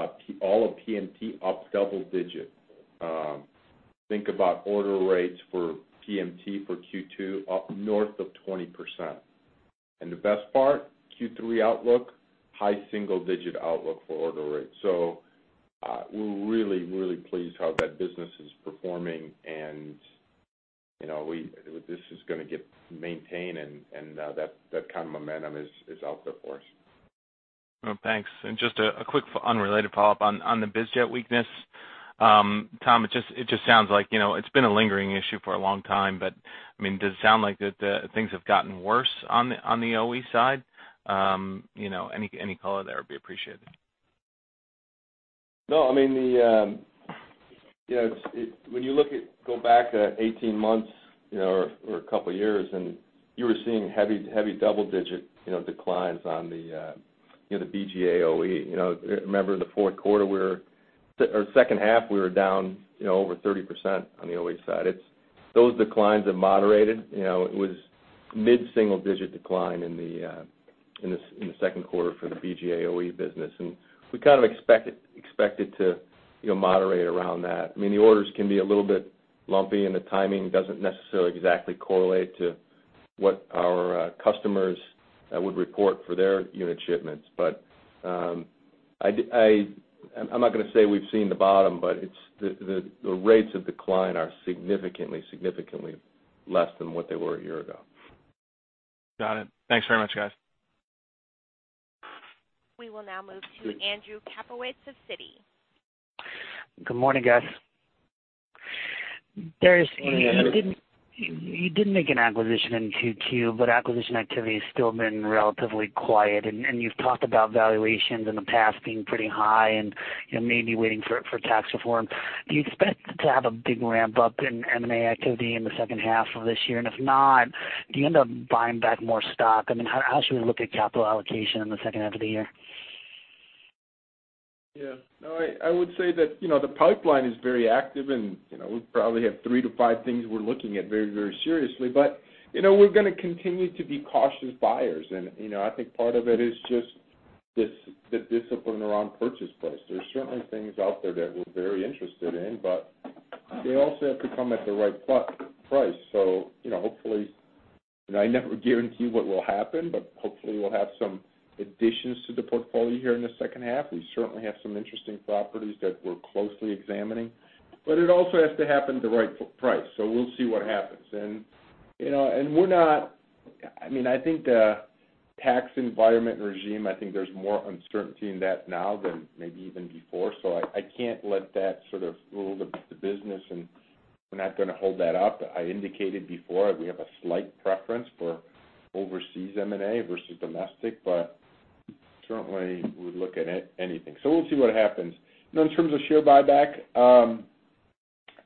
all of PMT, up several digits. Think about order rates for PMT for Q2, up north of 20%. The best part, Q3 outlook, high single-digit outlook for order rates. We're really, really pleased how that business is performing, and this is going to get maintained, and that kind of momentum is out there for us. Thanks. Just a quick unrelated follow-up on the biz jet weakness. Tom, it just sounds like it's been a lingering issue for a long time, but does it sound like things have gotten worse on the OE side? Any color there would be appreciated. No. When you go back 18 months or a couple of years, you were seeing heavy double-digit declines on the BGA OE. Remember, in the fourth quarter, or second half, we were down over 30% on the OE side. Those declines have moderated. It was mid-single digit decline in the second quarter for the BGA OE business. We kind of expect it to moderate around that. The orders can be a little bit lumpy, and the timing doesn't necessarily exactly correlate to what our customers would report for their unit shipments. I'm not going to say we've seen the bottom, but the rates of decline are significantly less than what they were a year ago. Got it. Thanks very much, guys. We will now move to Andrew Kaplowitz of Citi. Good morning, guys. Darius, you didn't make an acquisition in Q2, but acquisition activity has still been relatively quiet, and you've talked about valuations in the past being pretty high and maybe waiting for tax reform. Do you expect to have a big ramp-up in M&A activity in the second half of this year? If not, do you end up buying back more stock? How should we look at capital allocation in the second half of the year? Yeah. No, I would say that the pipeline is very active, and we probably have three to five things we're looking at very seriously. We're going to continue to be cautious buyers. I think part of it is just the discipline around purchase price. There's certainly things out there that we're very interested in, but they also have to come at the right price. Hopefully, and I never guarantee what will happen, but hopefully we'll have some additions to the portfolio here in the second half. We certainly have some interesting properties that we're closely examining. It also has to happen at the right price. We'll see what happens. I think the tax environment regime, I think there's more uncertainty in that now than maybe even before, I can't let that sort of rule the business, we're not going to hold that up. I indicated before, we have a slight preference for overseas M&A versus domestic, certainly we would look at anything. We'll see what happens. In terms of share buyback,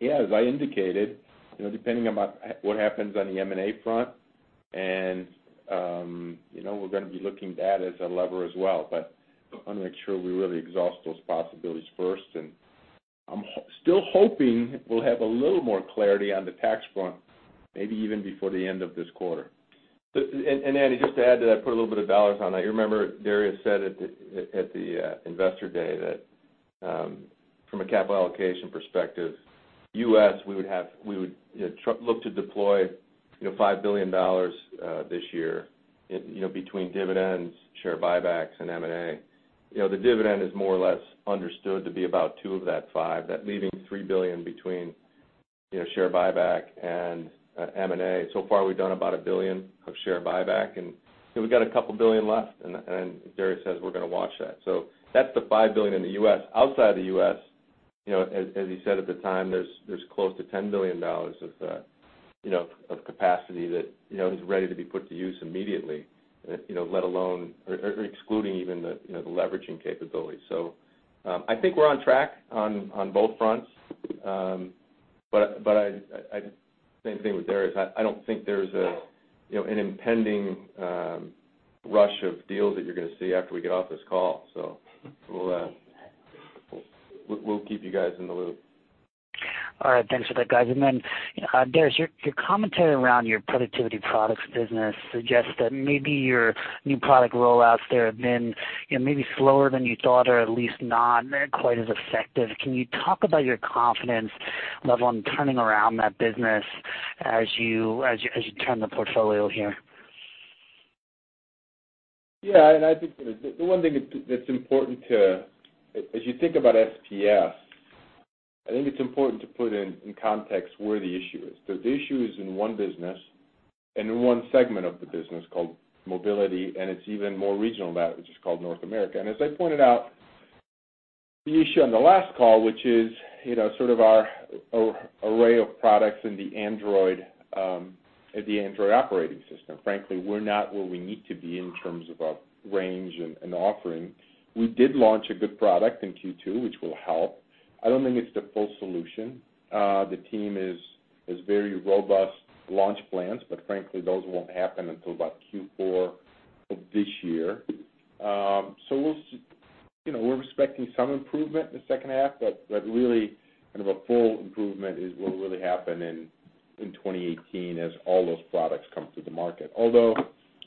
yeah, as I indicated, depending on what happens on the M&A front, we're going to be looking at that as a lever as well. I want to make sure we really exhaust those possibilities first and I'm still hoping we'll have a little more clarity on the tax front, maybe even before the end of this quarter. Andy, just to add to that, put a little bit of dollars on that, you remember Darius said at the investor day that from a capital allocation perspective, U.S., we would look to deploy $5 billion this year, between dividends, share buybacks, and M&A. The dividend is more or less understood to be about two of that five, that leaving $3 billion between share buyback and M&A. So far, we've done about $1 billion of share buyback, we've got about $2 billion left, Darius says we're going to watch that. That's the $5 billion in the U.S. Outside the U.S., as he said at the time, there's close to $10 billion of capacity that is ready to be put to use immediately, excluding even the leveraging capability. I think we're on track on both fronts. Same thing with Darius, I don't think there's an impending rush of deals that you're going to see after we get off this call. We'll keep you guys in the loop. All right. Thanks for that, guys. Darius, your commentary around your productivity products business suggests that maybe your new product rollouts there have been maybe slower than you thought or at least not quite as effective. Can you talk about your confidence level on turning around that business as you turn the portfolio here? I think the one thing that's important to, as you think about SPS, I think it's important to put in context where the issue is. The issue is in one business and in one segment of the business called mobility, it's even more regional than that, which is called North America. As I pointed out the issue on the last call, which is sort of our array of products in the Android operating system. Frankly, we're not where we need to be in terms of our range and offering. We did launch a good product in Q2, which will help. I don't think it's the full solution. The team has very robust launch plans, but frankly, those won't happen until about Q4 of this year. We're expecting some improvement in the second half, but a full improvement will really happen in 2018 as all those products come to the market. I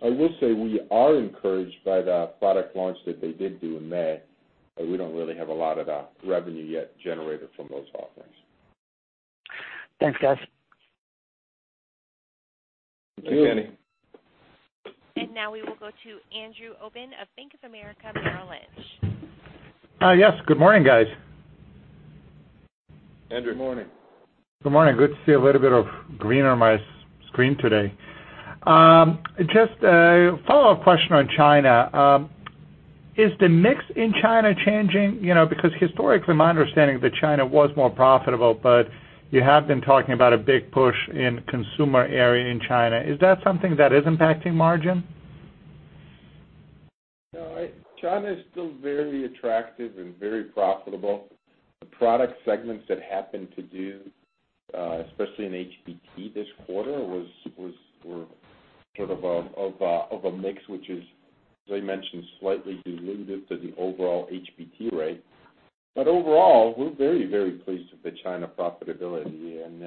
will say we are encouraged by the product launch that they did do in May, but we don't really have a lot of the revenue yet generated from those offerings. Thanks, guys. Thank you. Thanks, Andy. Now we will go to Andrew Obin of Bank of America Merrill Lynch. Yes, good morning, guys. Andrew. Good morning. Good morning. Good to see a little bit of green on my screen today. Just a follow-up question on China. Is the mix in China changing? Because historically, my understanding is that China was more profitable, but you have been talking about a big push in consumer area in China. Is that something that is impacting margin? No, China is still very attractive and very profitable. The product segments that happen to do, especially in HBT this quarter, were sort of a mix, which is, as I mentioned, slightly dilutive to the overall HBT rate. Overall, we're very, very pleased with the China profitability, and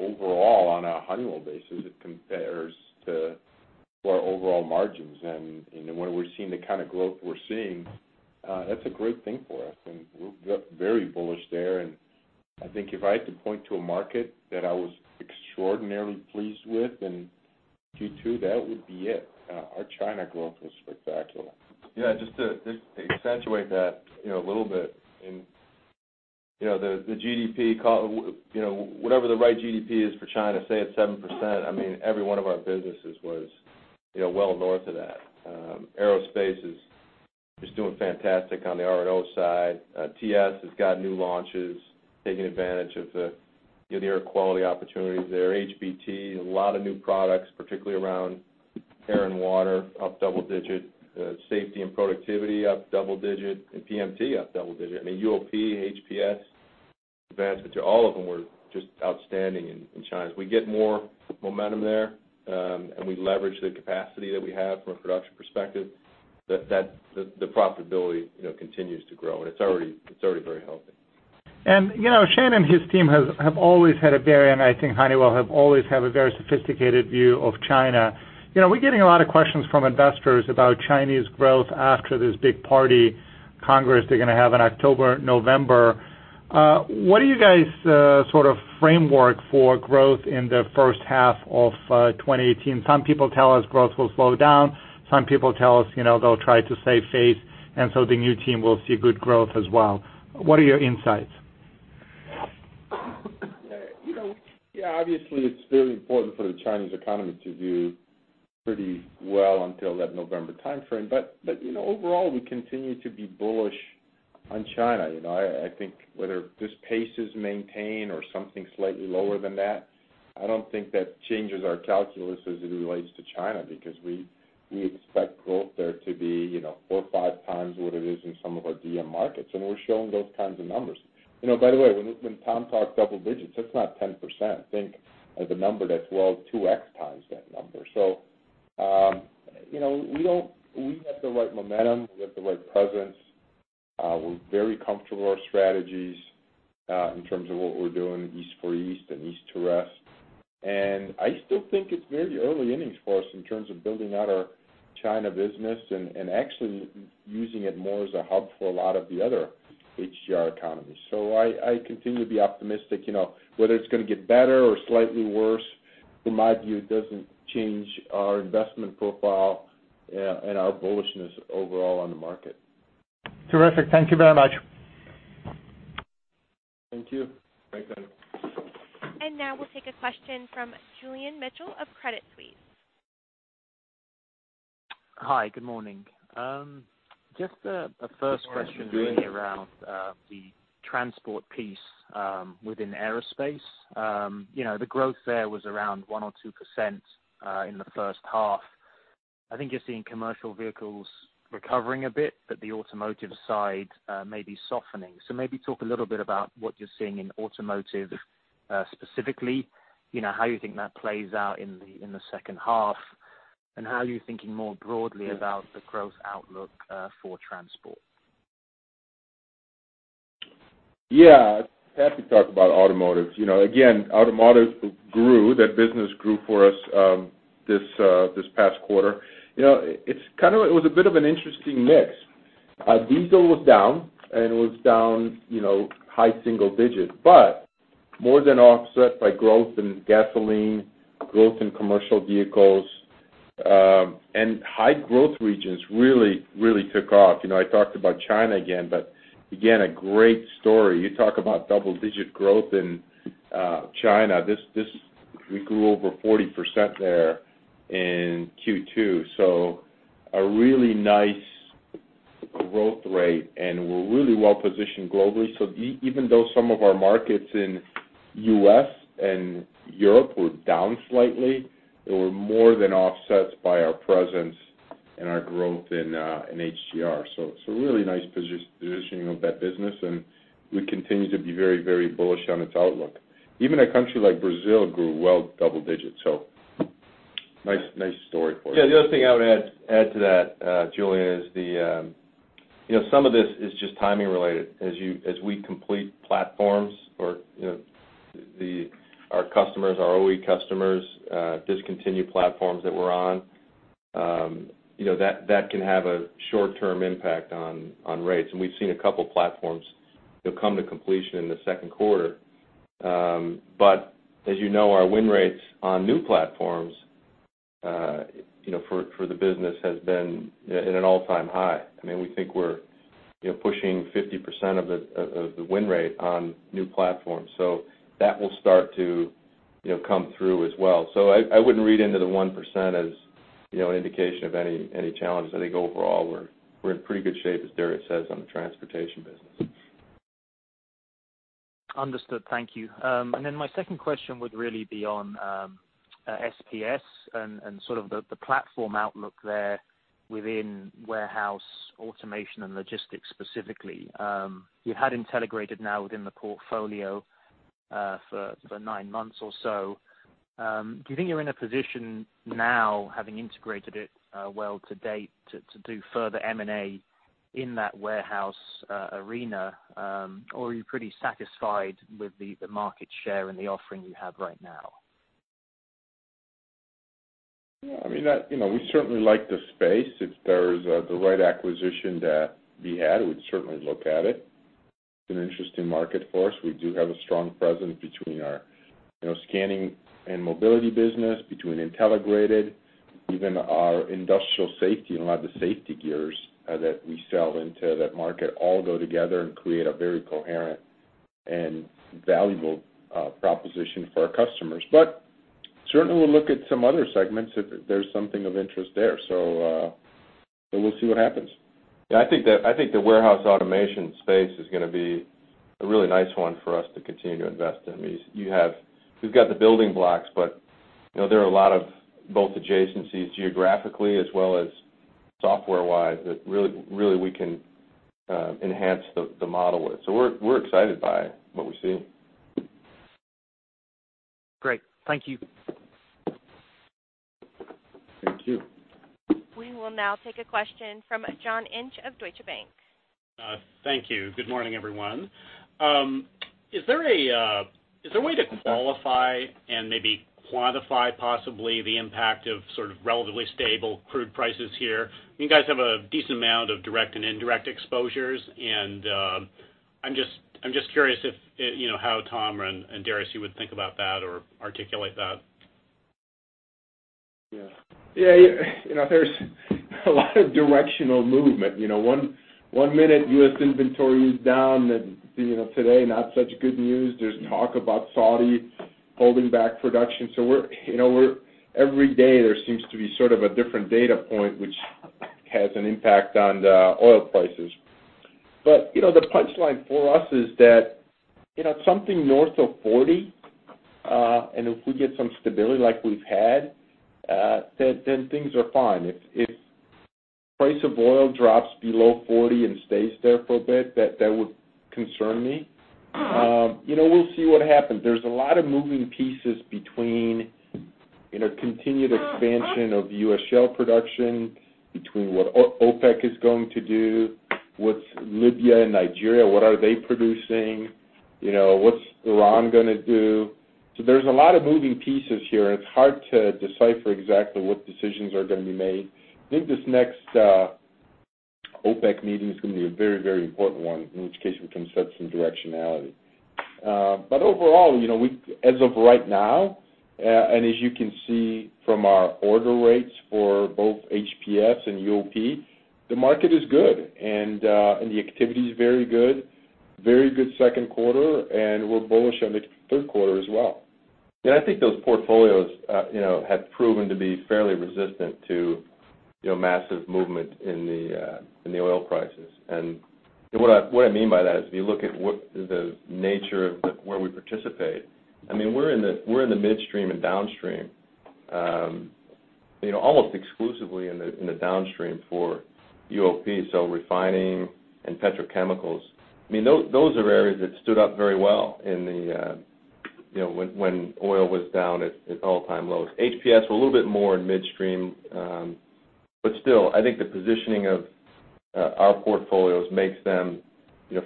overall, on a Honeywell basis, it compares to our overall margins. When we're seeing the kind of growth we're seeing, that's a great thing for us, and we're very bullish there, and I think if I had to point to a market that I was extraordinarily pleased with in Q2, that would be it. Our China growth was spectacular. Yeah, just to accentuate that a little bit. The GDP, whatever the right GDP is for China, say it's 7%, every one of our businesses was well north of that. Aerospace is doing fantastic on the R&O side. TS has got new launches, taking advantage of the air quality opportunities there. HBT, a lot of new products, particularly around air and water, up double digit. Safety and productivity up double digit, PMT up double digit. I mean, UOP, HPS, Advanced Materials to all of them were just outstanding in China. As we get more momentum there, and we leverage the capacity that we have from a production perspective, the profitability continues to grow, and it's already very healthy. Shane and his team have always had a very, and I think Honeywell have always had a very sophisticated view of China. We're getting a lot of questions from investors about Chinese growth after this big party congress they're going to have in October, November. What are you guys' sort of framework for growth in the first half of 2018? Some people tell us growth will slow down. Some people tell us they'll try to save face, the new team will see good growth as well. What are your insights? Yeah, obviously, it's very important for the Chinese economy to do pretty well until that November timeframe. Overall, we continue to be bullish on China. I think whether this pace is maintained or something slightly lower than that, I don't think that changes our calculus as it relates to China, because we expect growth there to be four or five times what it is in some of our DM markets, and we're showing those kinds of numbers. By the way, when Tom talked double digits, that's not 10%. Think of a number that's, well, 2x times that number. We have the right momentum, we have the right presence. We're very comfortable with our strategies in terms of what we're doing East for East and East to rest. I still think it's very early innings for us in terms of building out our China business and actually using it more as a hub for a lot of the other HGR economies. I continue to be optimistic. Whether it's going to get better or slightly worse, in my view, doesn't change our investment profile and our bullishness overall on the market. Terrific. Thank you very much. Thank you. Thanks, Andrew. Now we'll take a question from Julian Mitchell of Credit Suisse. Hi. Good morning. Good morning. really around the transport piece within aerospace. The growth there was around 1% or 2% in the first half. I think you're seeing commercial vehicles recovering a bit, but the automotive side may be softening. Maybe talk a little bit about what you're seeing in automotive specifically, how you think that plays out in the second half, and how you're thinking more broadly about the growth outlook for transport. Happy to talk about automotive. Automotive grew. That business grew for us this past quarter. It was a bit of an interesting mix. Diesel was down, and it was down high single digit, but more than offset by growth in gasoline, growth in commercial vehicles. High growth regions really took off. I talked about China again. A great story. You talk about double-digit growth in China. We grew over 40% there in Q2, so a really nice growth rate, and we're really well-positioned globally. Even though some of our markets in U.S. and Europe were down slightly, they were more than offsets by our presence and our growth in HGR. Really nice positioning of that business, and we continue to be very bullish on its outlook. Even a country like Brazil grew well double digits, so nice story for us. The other thing I would add to that, Julian, is some of this is just timing related. As we complete platforms or our customers, our OE customers discontinue platforms that we're on, that can have a short-term impact on rates, and we've seen a couple platforms come to completion in the second quarter. As you know, our win rates on new platforms for the business has been at an all-time high. We think we're pushing 50% of the win rate on new platforms, that will start to come through as well. I wouldn't read into the 1% as an indication of any challenges. I think overall, we're in pretty good shape, as Darius says, on the transportation business. Understood. Thank you. My second question would really be on SPS and sort of the platform outlook there within warehouse automation and logistics specifically. You've had Intelligrated now within the portfolio for nine months or so. Do you think you're in a position now, having integrated it well to date, to do further M&A in that warehouse arena, or are you pretty satisfied with the market share and the offering you have right now? We certainly like the space. If there's the right acquisition that we had, we'd certainly look at it. It's an interesting market for us. We do have a strong presence between our scanning and mobility business, between Intelligrated, even our industrial safety and a lot of the safety gears that we sell into that market all go together and create a very coherent and valuable proposition for our customers. Certainly we'll look at some other segments if there's something of interest there. We'll see what happens. I think the warehouse automation space is going to be a really nice one for us to continue to invest in. We've got the building blocks, but there are a lot of both adjacencies geographically as well as software-wise that really we can enhance the model with. We're excited by what we're seeing. Great. Thank you. Thank you. We will now take a question from John Inch of Deutsche Bank. Thank you. Good morning, everyone. Is there a way to qualify and maybe quantify possibly the impact of sort of relatively stable crude prices here? You guys have a decent amount of direct and indirect exposures. I'm just curious if, how Tom and Darius, you would think about that or articulate that. There's a lot of directional movement. One minute, U.S. inventory is down. Today, not such good news. There's talk about Saudi holding back production. Every day, there seems to be sort of a different data point which has an impact on the oil prices. The punchline for us is that something north of 40, and if we get some stability like we've had, then things are fine. Price of oil drops below 40 and stays there for a bit, that would concern me. We'll see what happens. There's a lot of moving pieces between continued expansion of U.S. shale production, between what OPEC is going to do, what's Libya and Nigeria, what are they producing? What's Iran going to do? There's a lot of moving pieces here, and it's hard to decipher exactly what decisions are going to be made. I think this next OPEC meeting is going to be a very, very important one, in which case we can set some directionality. Overall, as of right now, as you can see from our order rates for both HPS and UOP, the market is good and the activity is very good. Very good second quarter. We're bullish on the third quarter as well. I think those portfolios have proven to be fairly resistant to massive movement in the oil prices. What I mean by that is, if you look at the nature of where we participate, we're in the midstream and downstream. Almost exclusively in the downstream for UOP, so refining and petrochemicals. Those are areas that stood up very well when oil was down at all-time lows. HPS were a little bit more in midstream. Still, I think the positioning of our portfolios makes them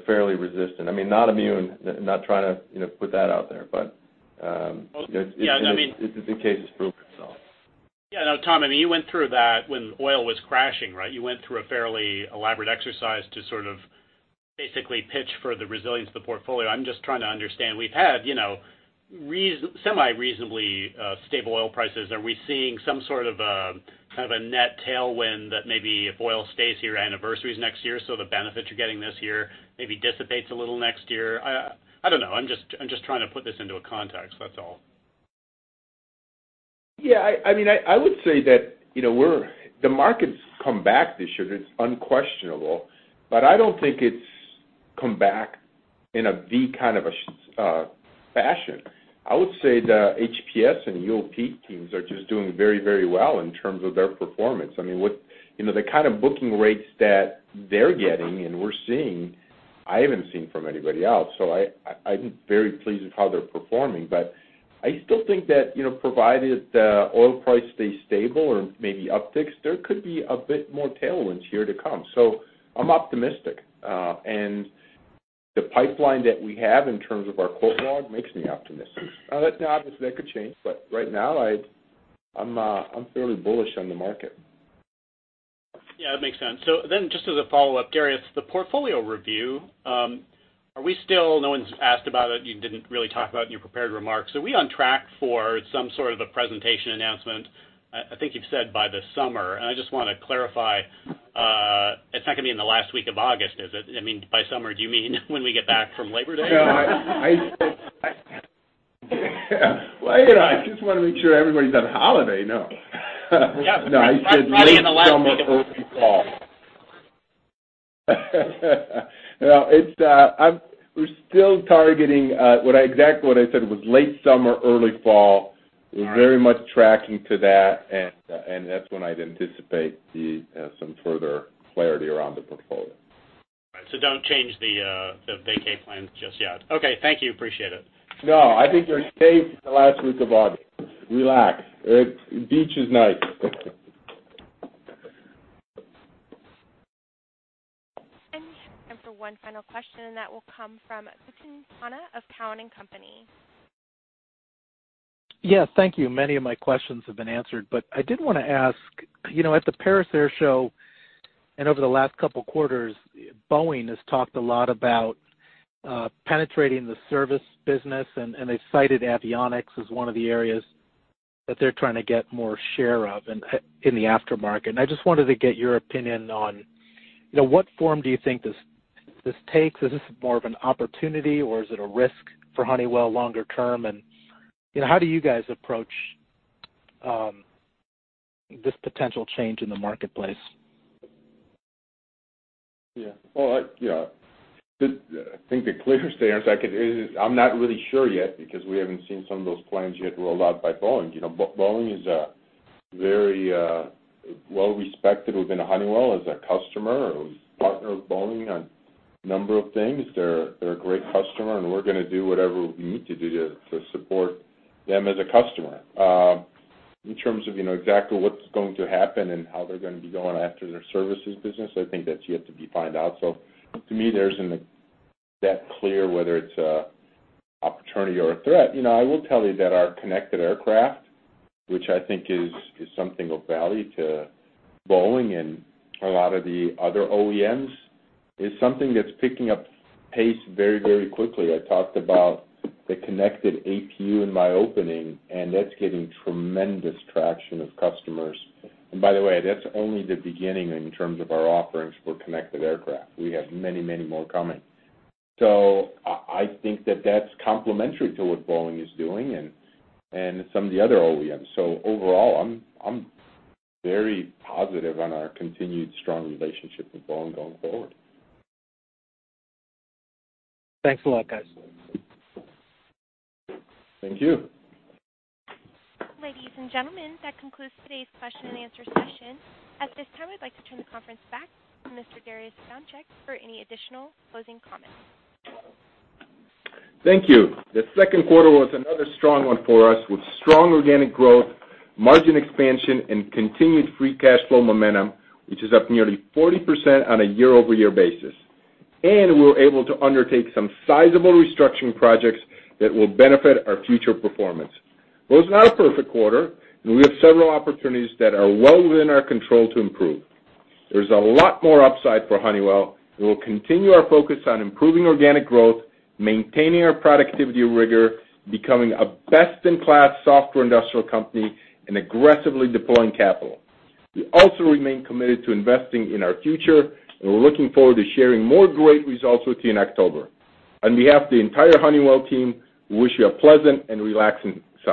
fairly resistant, not immune, not trying to put that out there. Well, yeah. I mean The case has proven itself. Yeah. No, Tom, you went through that when oil was crashing, right? You went through a fairly elaborate exercise to sort of basically pitch for the resilience of the portfolio. I'm just trying to understand. We've had semi-reasonably stable oil prices. Are we seeing some sort of a net tailwind that maybe if oil stays here, anniversaries next year, so the benefit you're getting this year maybe dissipates a little next year? I don't know. I'm just trying to put this into a context, that's all. Yeah. I would say that the market's come back this year, that's unquestionable. I don't think it's come back in a V kind of a fashion. I would say the HPS and UOP teams are just doing very, very well in terms of their performance. The kind of booking rates that they're getting and we're seeing, I haven't seen from anybody else. I'm very pleased with how they're performing. I still think that provided the oil price stays stable or maybe upticks, there could be a bit more tailwinds here to come. I'm optimistic. The pipeline that we have in terms of our quote log makes me optimistic. Now, obviously, that could change, but right now, I'm fairly bullish on the market. That makes sense. Just as a follow-up, Darius, the portfolio review, are we still, no one's asked about it, you didn't really talk about it in your prepared remarks. Are we on track for some sort of a presentation announcement, I think you've said by the summer, and I just want to clarify, it's not going to be in the last week of August, is it? I mean, by summer, do you mean when we get back from Labor Day? No. Well, I just want to make sure everybody's on holiday. No. Yeah. No, I said late summer, early fall. We're still targeting exactly what I said. It was late summer, early fall. All right. We're very much tracking to that, and that's when I'd anticipate some further clarity around the portfolio. All right. Don't change the vacay plans just yet. Okay. Thank you. Appreciate it. No, I think you're safe for the last week of August. Relax. Beach is nice. We have time for one final question, and that will come from Gautam Khanna of Cowen and Company. Thank you. Many of my questions have been answered, but I did want to ask, at the Paris Air Show and over the last couple of quarters, Boeing has talked a lot about penetrating the service business, and they cited avionics as one of the areas that they're trying to get more share of in the aftermarket. I just wanted to get your opinion on what form do you think this takes. Is this more of an opportunity or is it a risk for Honeywell longer term? How do you guys approach this potential change in the marketplace? I think the clearest answer I could is I'm not really sure yet because we haven't seen some of those plans yet rolled out by Boeing. Boeing is very well respected within Honeywell as a customer. We partner with Boeing on a number of things. They're a great customer, and we're going to do whatever we need to do to support them as a customer. In terms of exactly what's going to happen and how they're going to be going after their services business, I think that's yet to be found out. To me, there isn't that clear whether it's an opportunity or a threat. I will tell you that our connected aircraft, which I think is something of value to Boeing and a lot of the other OEMs, is something that's picking up pace very, very quickly. I talked about the connected APU in my opening, and that's getting tremendous traction of customers. By the way, that's only the beginning in terms of our offerings for connected aircraft. We have many more coming. I think that that's complementary to what Boeing is doing and some of the other OEMs. Overall, I'm very positive on our continued strong relationship with Boeing going forward. Thanks a lot, guys. Thank you. Ladies and gentlemen, that concludes today's question and answer session. At this time, I'd like to turn the conference back to Mr. Darius Adamczyk for any additional closing comments. Thank you. The second quarter was another strong one for us with strong organic growth, margin expansion, and continued free cash flow momentum, which is up nearly 40% on a year-over-year basis. We were able to undertake some sizable restructuring projects that will benefit our future performance. It's not a perfect quarter, and we have several opportunities that are well within our control to improve. There's a lot more upside for Honeywell, and we'll continue our focus on improving organic growth, maintaining our productivity rigor, becoming a best-in-class software industrial company, and aggressively deploying capital. We also remain committed to investing in our future, and we're looking forward to sharing more great results with you in October. On behalf of the entire Honeywell team, we wish you a pleasant and relaxing summer.